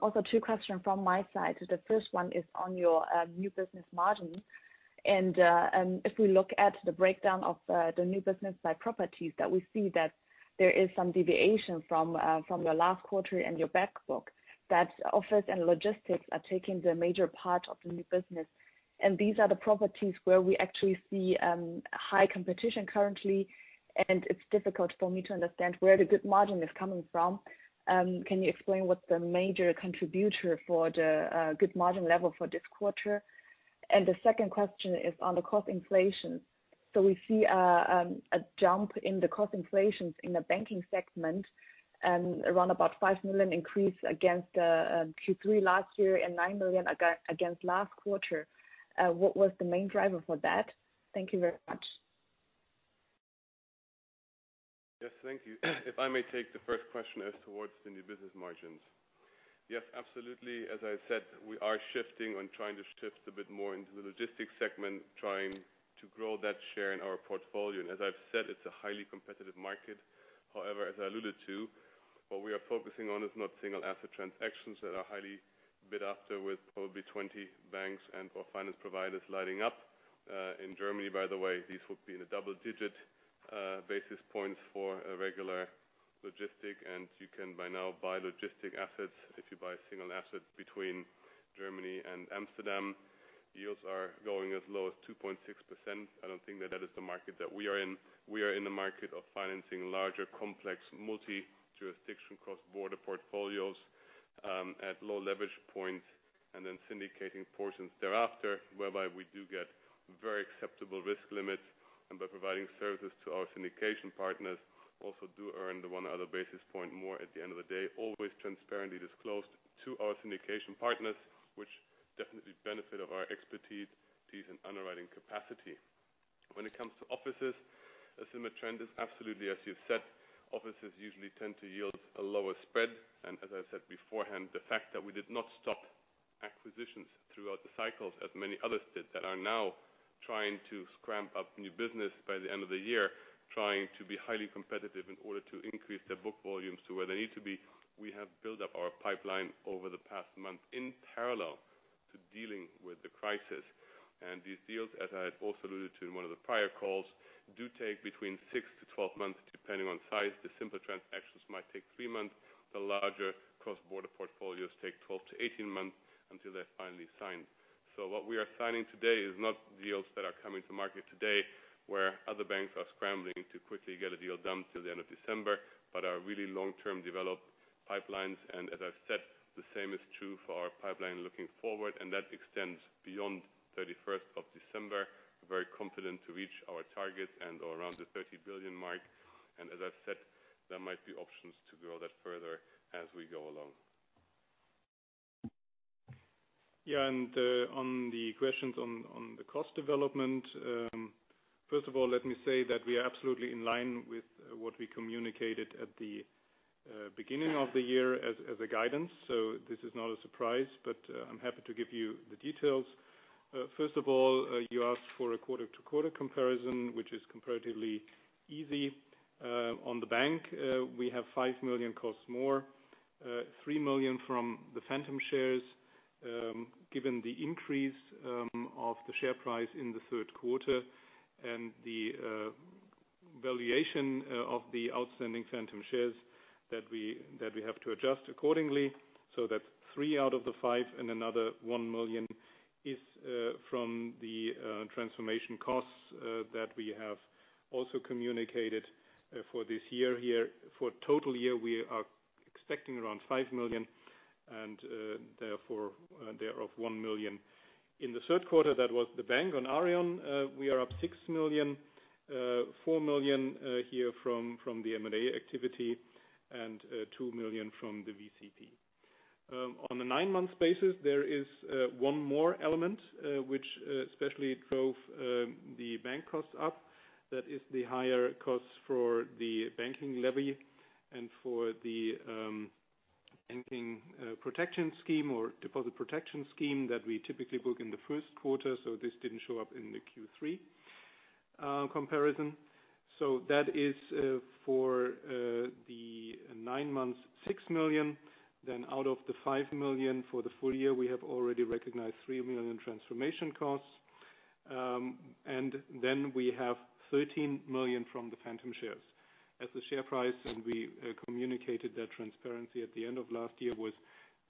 Also two questions from my side. The first one is on your new business margin. If we look at the breakdown of the new business by properties that we see that there is some deviation from the last quarter and your back book that office and logistics are taking the major part of the new business. These are the properties where we actually see high competition currently. It's difficult for me to understand where the good margin is coming from. Can you explain what the major contributor for the good margin level for this quarter? The second question is on the cost inflation. We see a jump in the cost inflation in the banking segment and around about 5 million increase against Q3 last year and 9 million against last quarter. What was the main driver for that? Thank you very much. Yes. Thank you. If I may take the first question as towards the new business margins. Yes, absolutely. As I said, we are shifting and trying to shift a bit more into the logistics segment, trying to grow that share in our portfolio. As I've said, it's a highly competitive market. However, as I alluded to, what we are focusing on is not single asset transactions that are highly bid up too with probably 20 banks and/or finance providers lining up, in Germany by the way. These would be in the double-digit basis points for a regular logistics. You can by now buy logistics assets if you buy single assets between Germany and Amsterdam. Yields are going as low as 2.6%. I don't think that is the market that we are in. We are in the market of financing larger, complex multi-jurisdiction cross-border portfolios, at low leverage points and then syndicating portions thereafter whereby we do get very acceptable risk limits and by providing services to our syndication partners also do earn the one other basis point more at the end of the day, always transparently disclosed to our syndication partners which definitely benefit of our expertise, fees, and underwriting capacity. When it comes to offices, a similar trend is absolutely as you said, offices usually tend to yield a lower spread. As I said beforehand, the fact that we did not stop acquisitions throughout the cycles as many others did that are now trying to scramble up new business by the end of the year, trying to be highly competitive in order to increase their book volumes to where they need to be. We have built up our pipeline over the past month in parallel, dealing with the crisis. These deals, as I had also alluded to in one of the prior calls, do take between six-12 months depending on size. The simpler transactions might take three months. The larger cross-border portfolios take 12-18 months until they're finally signed. What we are signing today is not deals that are coming to market today, where other banks are scrambling to quickly get a deal done till the end of December, but are really long-term developed pipelines. As I've said, the same is true for our pipeline looking forward, and that extends beyond 31st of December. We're very confident to reach our target and around the 30 billion mark. As I've said, there might be options to grow that further as we go along. Yeah. On the questions on the cost development, first of all, let me say that we are absolutely in line with what we communicated at the beginning of the year as a guidance. This is not a surprise, but I'm happy to give you the details. First of all, you asked for a quarter-to-quarter comparison, which is comparatively easy. On the bank, we have 5 million costs more, 3 million from the phantom shares, given the increase of the share price in the third quarter and the valuation of the outstanding phantom shares that we have to adjust accordingly. That's threeout of the five, and another 1 million is from the transformation costs that we have also communicated for this year here. For the total year, we are expecting around 5 million, and therefore they are off 1 million. In the third quarter, that was the bank. On Aareon, we are up 6 million, 4 million here from the M&A activity, and 2 million from the VCP. On a nine-month basis, there is one more element which especially drove the bank costs up. That is the higher costs for the banking levy and for the deposit protection scheme that we typically book in the first quarter. This didn't show up in the Q3 comparison. That is, for the nine months, 6 million. Out of the 5 million for the full-year, we have already recognized 3 million transformation costs. We have 13 million from the phantom shares. As the share price, and we communicated that transparency at the end of last year, was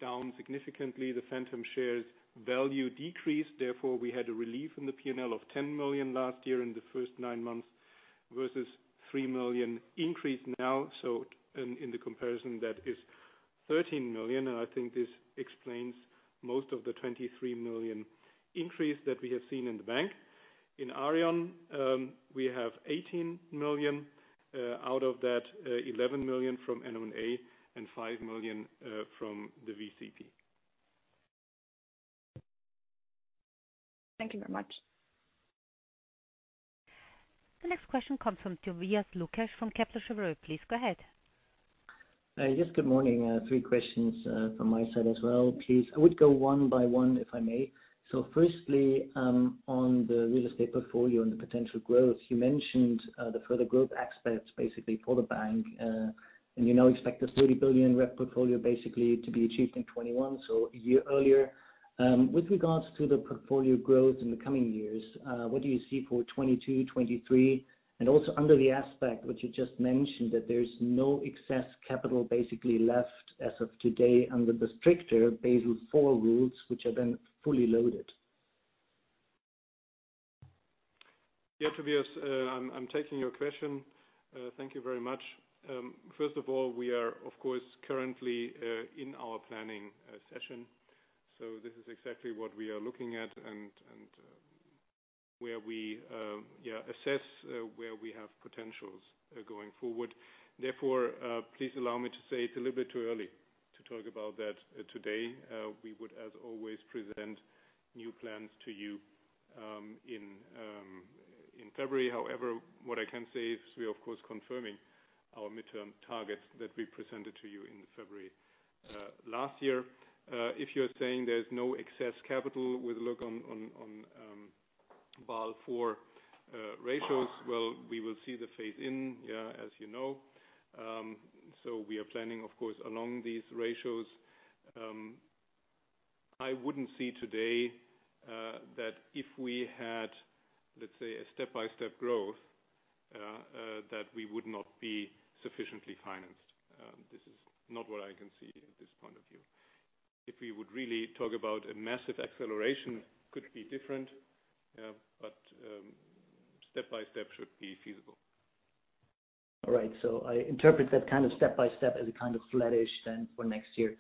down significantly, the phantom shares value decreased. Therefore, we had a relief in the P&L of 10 million last year in the first 9 months versus 3 million increase now. In the comparison, that is 13 million, and I think this explains most of the 23 million increase that we have seen in the bank. In Aareon, we have 18 million. Out of that, 11 million from M&A and 5 million from the VCP. Thank you very much. The next question comes from Tobias Lukesch from Kepler Cheuvreux. Please go ahead. Yes, good morning. Three questions from my side as well, please. I would go one by one, if I may. Firstly, on the real estate portfolio and the potential growth, you mentioned the further growth aspects basically for the bank, and you now expect the 30 billion portfolio basically to be achieved in 2021, so a year earlier. With regards to the portfolio growth in the coming years, what do you see for 2022, 2023? Also under the aspect which you just mentioned, that there's no excess capital basically left as of today under the stricter Basel IV rules, which are then fully loaded. Yeah, Tobias, I'm taking your question. Thank you very much. First of all, we are of course currently in our planning session. This is exactly what we are looking at and where we assess where we have potentials going forward. Therefore, please allow me to say it's a little bit too early to talk about that today. We would, as always, present new plans to you in February. However, what I can say is we are of course confirming our midterm targets that we presented to you in February last year. If you're saying there's no excess capital with look on Basel IV ratios, well, we will see the phase in, as you know. We are planning, of course, along these ratios. I wouldn't see today that if we had, let's say, a step-by-step growth, that we would not be sufficiently financed. This is not what I can see at this point of view. If we would really talk about a massive acceleration, could be different, but step-by-step should be feasible. All right. I interpret that kind of step-by-step as a kind of flattish then for next year.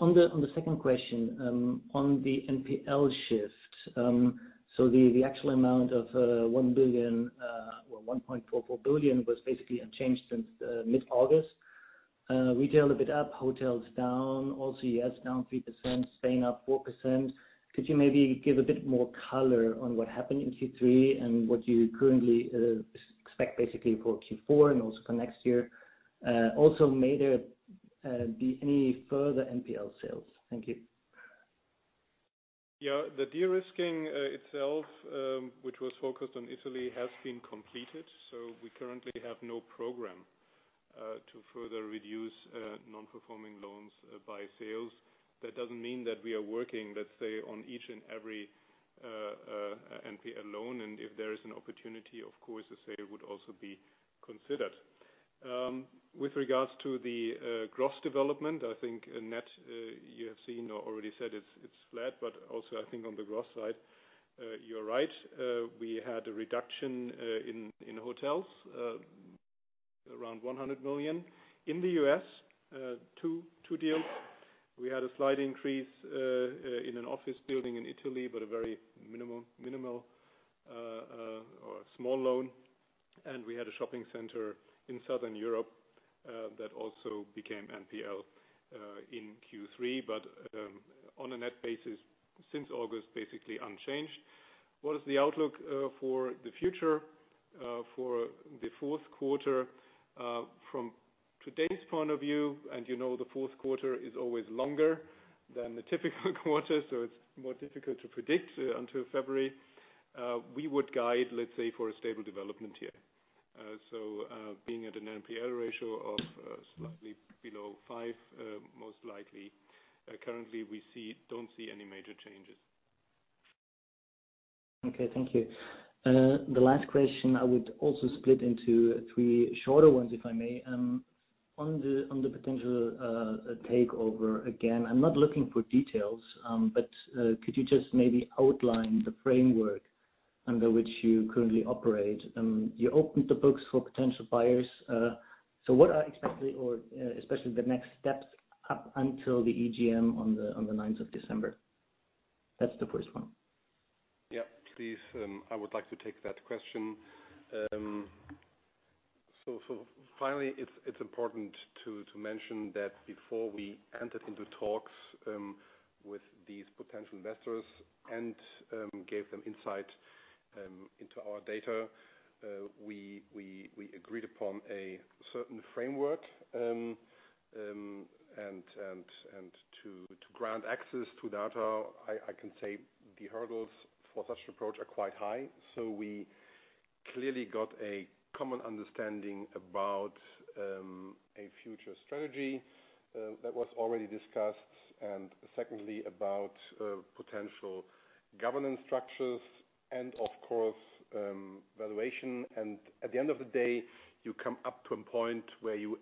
On the second question, on the NPL shift, the actual amount of 1 billion, well, 1.44 billion was basically unchanged since mid-August. Retail a bit up, hotels down, OCS down 3%, Spain up 4%. Could you maybe give a bit more color on what happened in Q3 and what you currently expect basically for Q4 and also for next year? Also, may there be any further NPL sales? Thank you. Yeah. The de-risking itself, which was focused on Italy, has been completed, so we currently have no program. To further reduce non-performing loans by sales. That doesn't mean that we are working, let's say, on each and every NPL loan. If there is an opportunity, of course, a sale would also be considered. With regards to the gross development, I think net you have seen or already said it's flat. Also I think on the gross side you're right. We had a reduction in hotels around 100 million. In the U.S., two deals. We had a slight increase in an office building in Italy, but a very minimal or small loan. We had a shopping center in Southern Europe that also became NPL in Q3. On a net basis since August, basically unchanged. What is the outlook for the future for the fourth quarter from today's point of view? You know the fourth quarter is always longer than the typical quarter, so it's more difficult to predict until February. We would guide, let's say, for a stable development here, being at an NPL ratio of slightly below 5% most likely. Currently, we don't see any major changes. Okay, thank you. The last question I would also split into three shorter ones, if I may. On the potential takeover, again, I'm not looking for details, but could you just maybe outline the framework under which you currently operate? You opened the books for potential buyers, so what are expected or especially the next steps up until the EGM on the 9th of December? That's the first one. Yeah, please. I would like to take that question. Finally, it's important to mention that before we entered into talks with these potential investors and gave them insight into our data, we agreed upon a certain framework. To grant access to data, I can say the hurdles for such approach are quite high. We clearly got a common understanding about a future strategy that was already discussed, and secondly, about potential governance structures and of course, valuation. At the end of the day, you come up to a point where you,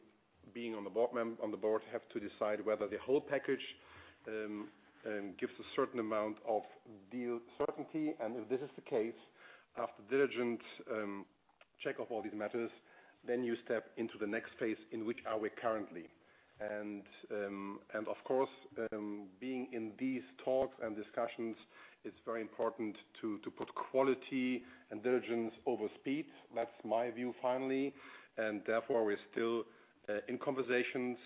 being on the board, have to decide whether the whole package gives a certain amount of deal certainty. If this is the case, after diligent check of all these matters, then you step into the next phase in which we are currently. Of course, being in these talks and discussions, it's very important to put quality and diligence over speed. That's my view finally. Therefore, we're still in conversations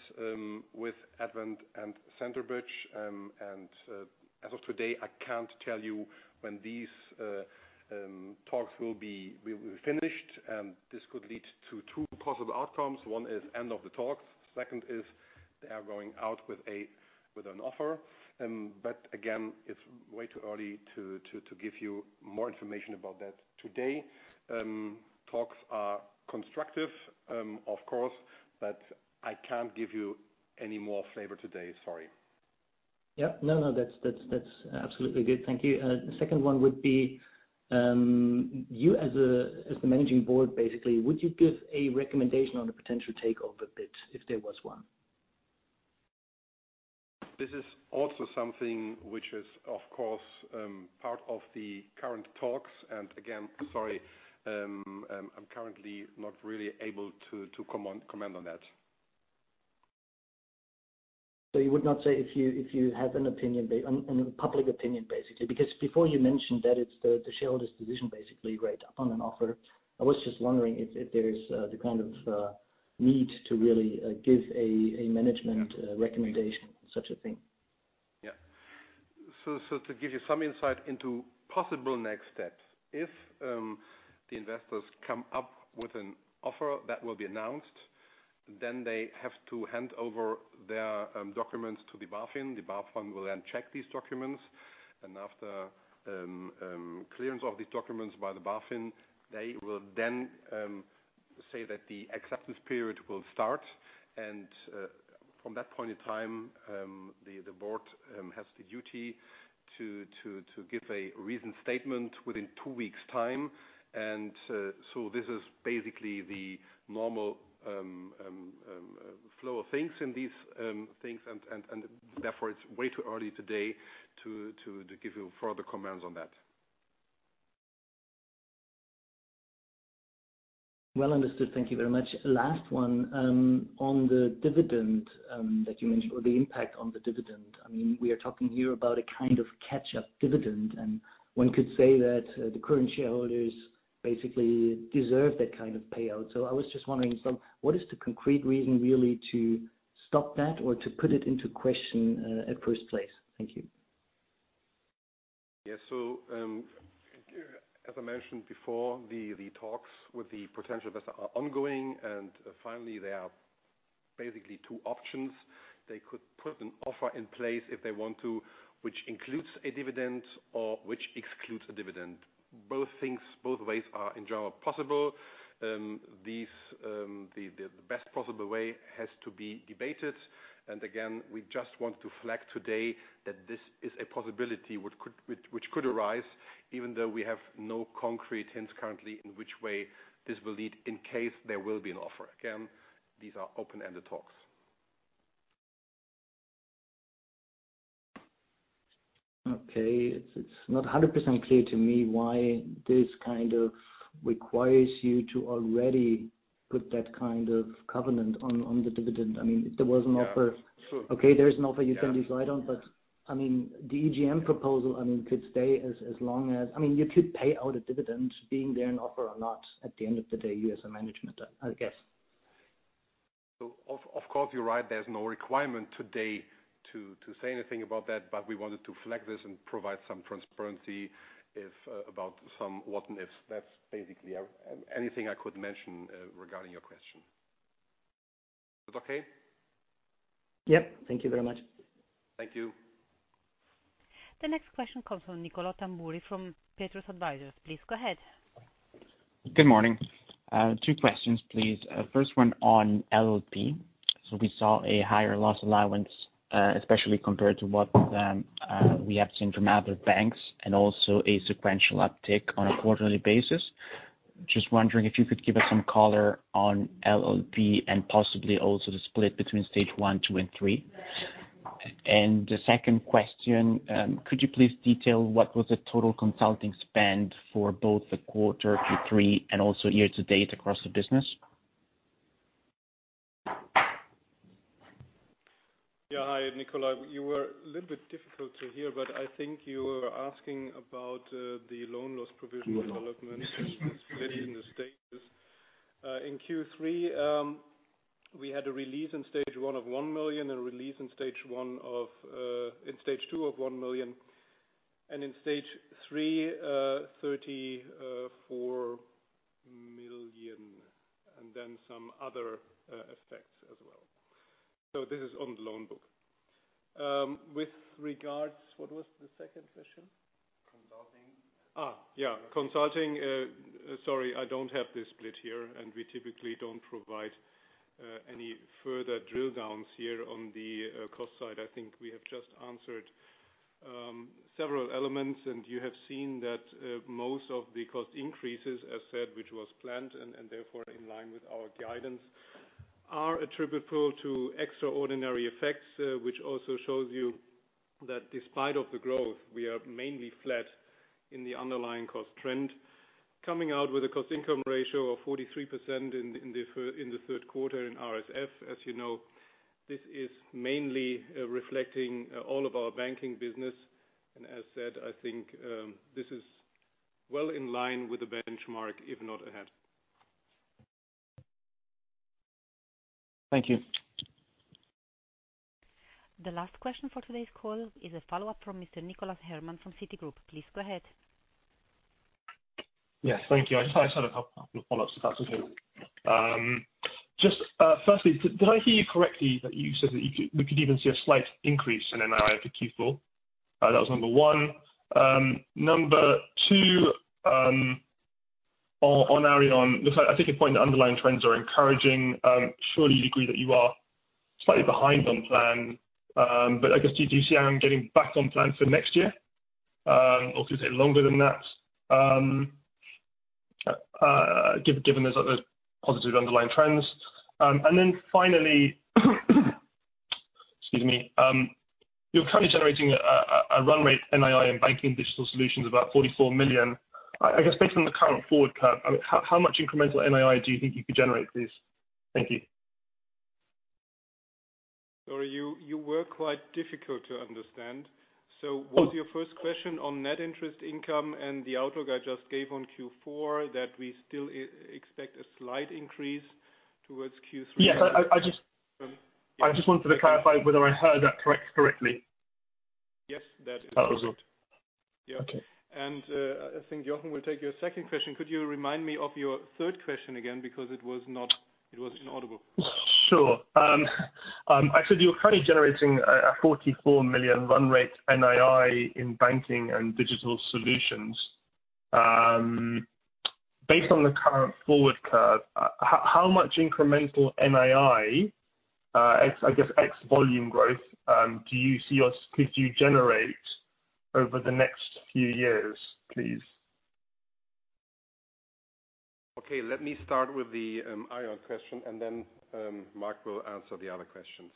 with Advent and Centerbridge. As of today, I can't tell you when these talks will be finished. This could lead to two possible outcomes. One is end of the talks, second is they are going out with an offer. Again, it's way too early to give you more information about that today. Talks are constructive, of course, but I can't give you any more flavor today. Sorry. Yeah. No, that's absolutely good. Thank you. The second one would be you as the Management Board, basically, would you give a recommendation on a potential takeover bid if there was one? This is also something which is of course, part of the current talks. Again, sorry, I'm currently not really able to comment on that. You would not say if you have an opinion, a public opinion, basically. Because before you mentioned that it's the shareholders decision basically right upon an offer. I was just wondering if there's the kind of need to really give a management recommendation, such a thing. Yeah, to give you some insight into possible next steps. If the investors come up with an offer that will be announced, then they have to hand over their documents to the BaFin. The BaFin will then check these documents, and after clearance of these documents by the BaFin, they will say that the acceptance period will start. From that point in time, the board has the duty to give a reasoned statement within two weeks' time. This is basically the normal flow of things in these things. Therefore, it's way too early today to give you further comments on that. Well understood. Thank you very much. Last one, on the dividend that you mentioned, or the impact on the dividend. I mean, we are talking here about a kind of catch-up dividend. One could say that the current shareholders basically deserve that kind of payout. I was just wondering, what is the concrete reason really to stop that or to put it into question at first place? Thank you. Yeah, as I mentioned before, the talks with the potential investors are ongoing, and finally they are basically two options. They could put an offer in place if they want to, which includes a dividend or which excludes a dividend. Both things, both ways are in general possible. These, the best possible way has to be debated. Again, we just want to flag today that this is a possibility which could arise even though we have no concrete hints currently in which way this will lead in case there will be an offer. Again, these are open-ended talks. Okay. It's not 100% clear to me why this kind of requires you to already put that kind of covenant on the dividend. I mean, there was an offer- Yeah, sure. Okay. There is an offer you can decide on. I mean, the EGM proposal, I mean, could stay as long as, I mean, you could pay out a dividend being there an offer or not, at the end of the day you as a management, I guess. Of course, you're right. There's no requirement today to say anything about that, but we wanted to flag this and provide some transparency about some what-ifs. That's basically anything I could mention regarding your question. Is it okay? Yep. Thank you very much. Thank you. The next question comes from Nicolò Tamburi from Petrus Advisers. Please go ahead. Good morning. Two questions, please. First one on LLP. We saw a higher loss allowance, especially compared to what we have seen from other banks and also a sequential uptick on a quarterly basis. Just wondering if you could give us some color on LLP and possibly also the split between stage one, two, and three. The second question, could you please detail what was the total consulting spend for both the quarter Q3 and also year to date across the business? Yeah. Hi, Nicola. You were a little bit difficult to hear, but I think you were asking about the loan loss provision development. No. Split in the stages. In Q3, we had a release in stage one of 1 million, in stage two of 1 million, and in stage three, 34 million, and then some other effects as well. This is on the loan book. With regards, what was the second question? Consulting. Yeah, consulting. Sorry, I don't have the split here, and we typically don't provide any further drill downs here on the cost side. I think we have just answered several elements. You have seen that most of the cost increases, as said, which was planned and therefore in line with our guidance, are attributable to extraordinary effects. Which also shows you that despite of the growth, we are mainly flat in the underlying cost trend. Coming out with a cost income ratio of 43% in the third quarter in SPF. As you know, this is mainly reflecting all of our banking business. As said, I think this is well in line with the benchmark, if not ahead. Thank you. The last question for today's call is a follow-up from Mr. Nicholas Herman from Citigroup. Please go ahead. Yes, thank you. I just had a couple of follow-ups, if that's okay. Just, firstly, did I hear you correctly that we could even see a slight increase in NII for Q4? That was number one. Number two, on Aareon, look, I think your point that underlying trends are encouraging. Surely you'd agree that you are slightly behind on plan. But I guess do you see Aareon getting back on plan for next year? Or could you say longer than that, given there's those positive underlying trends. And then finally excuse me. You're currently generating a run rate NII in Banking & Digital Solutions about 44 million. I guess based on the current forward curve, how much incremental NII do you think you could generate, please? Thank you. Sorry. You were quite difficult to understand. Was your first question on net interest income and the outlook I just gave on Q4 that we still expect a slight increase towards Q3? Yes. I just. Um. I just wanted to clarify whether I heard that correctly? Yes, that is correct. That was all. Yeah. Okay. I think Jochen will take your second question. Could you remind me of your third question again? Because it was inaudible. Sure. I said you're currently generating a 44 million run rate NII in Banking & Digital Solutions. Based on the current forward curve, how much incremental NII, ex, I guess ex volume growth, could you generate over the next few years, please? Okay. Let me start with the Aareon question, and then Marc will answer the other questions.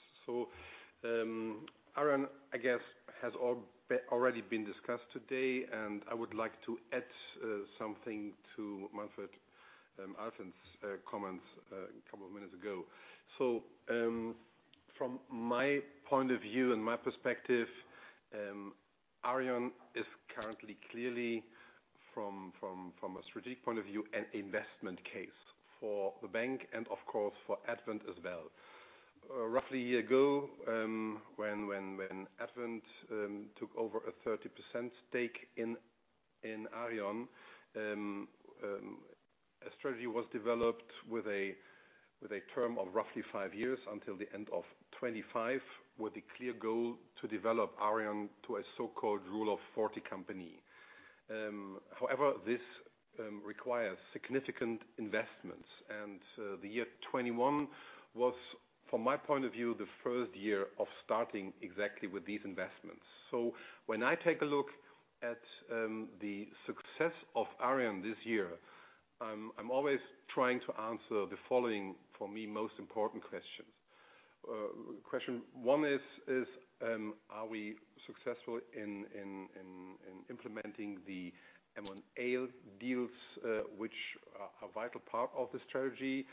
Aareon, I guess, has already been discussed today, and I would like to add something to Manfred Alflen's comments a couple of minutes ago. From my point of view and my perspective, Aareon is currently clearly from a strategic point of view, an investment case for the bank and of course for Advent as well. Roughly a year ago, when Advent took over a 30% stake in Aareon, a strategy was developed with a term of roughly five years until the end of 2025, with the clear goal to develop Aareon to a so-called Rule of 40 company. However, this requires significant investments. The year 2021 was, from my point of view, the first year of starting exactly with these investments. When I take a look at the success of Aareon this year, I'm always trying to answer the following for me, most important questions. Question one is, are we successful in implementing the M&A deals, which are a vital part of the strategy.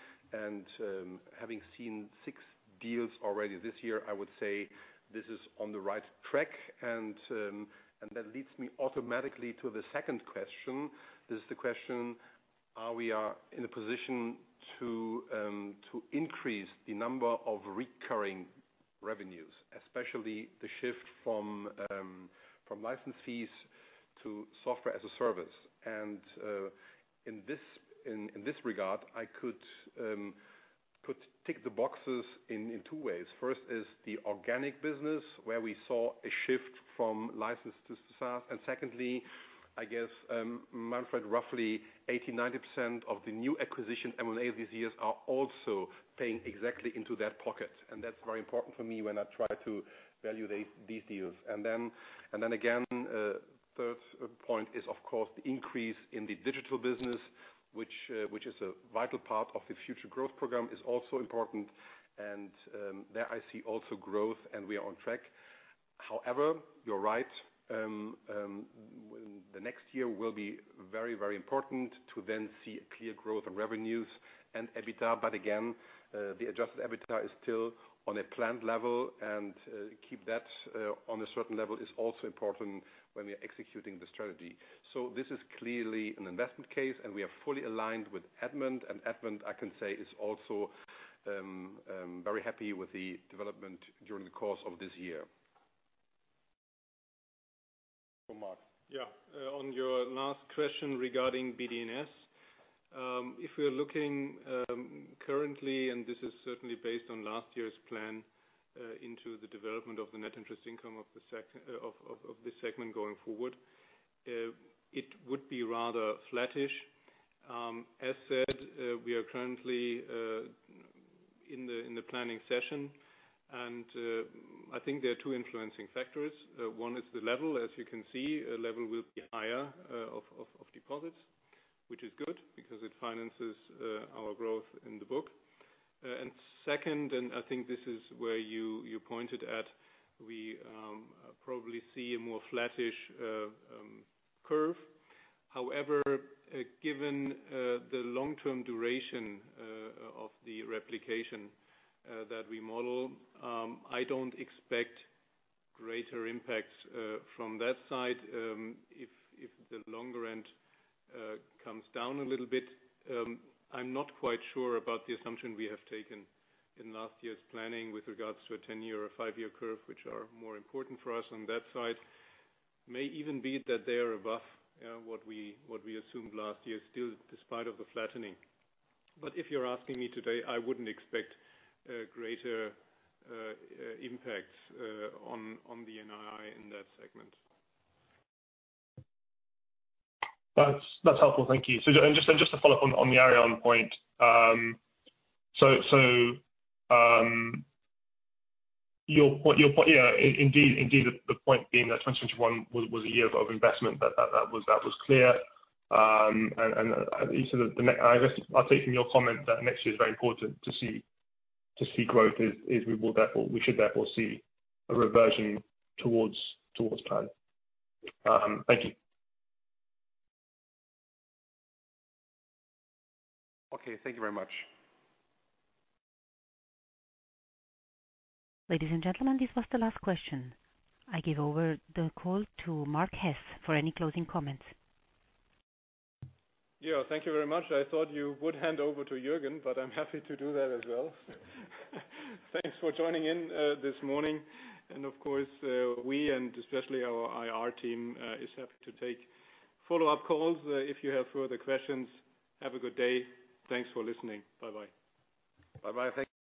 That leads me automatically to the second question. Is the question, are we in a position to increase the number of recurring revenues. Especially the shift from license fees to software as a service. In this regard, I could tick the boxes in two ways. First is the organic business, where we saw a shift from licensed to SaaS. Secondly, I guess, Manfred roughly 80%-90% of the new acquisition M&A these years are also paying exactly into that pocket. That's very important for me when I try to value these deals. Third point is of course the increase in the digital business, which is a vital part of the future growth program, is also important. There I see also growth, and we are on track. However, you're right. The next year will be very important to then see a clear growth on revenues and EBITDA. Again, the adjusted EBITDA is still on a planned level, and keep that on a certain level is also important when we're executing the strategy. This is clearly an investment case and we are fully aligned with Advent. Advent, I can say, is also very happy with the development during the course of this year. Marc. On your last question regarding BDS. If we're looking currently, and this is certainly based on last year's plan, into the development of the net interest income of this segment going forward, it would be rather flattish. As said, we are currently in the planning session. I think there are two influencing factors. One is the level. As you can see, level will be higher of deposits, which is good because it finances our growth in the book. Second, and I think this is where you pointed at, we probably see a more flattish curve. However, given the long-term duration of the replication that we model, I don't expect greater impacts from that side, if the longer end comes down a little bit. I'm not quite sure about the assumption we have taken in last year's planning with regards to a 10-year or five-year curve, which are more important for us on that side. It may even be that they are above what we assumed last year, still despite of the flattening. But if you're asking me today, I wouldn't expect greater impact on the NII in that segment. That's helpful. Thank you. Just to follow up on the Aareon point. Your point, yeah, indeed the point being that 2021 was a year of investment. That was clear. You said I guess I take from your comment that next year is very important to see growth as we should therefore see a reversion towards plan. Thank you. Okay, thank you very much. Ladies and gentlemen, this was the last question. I give over the call to Marc Hess for any closing comments. Yeah. Thank you very much. I thought you would hand over to Jürgen, but I'm happy to do that as well. Thanks for joining in this morning. Of course, we and especially our IR team is happy to take follow-up calls if you have further questions. Have a good day. Thanks for listening. Bye-bye. Bye-bye. Thank you.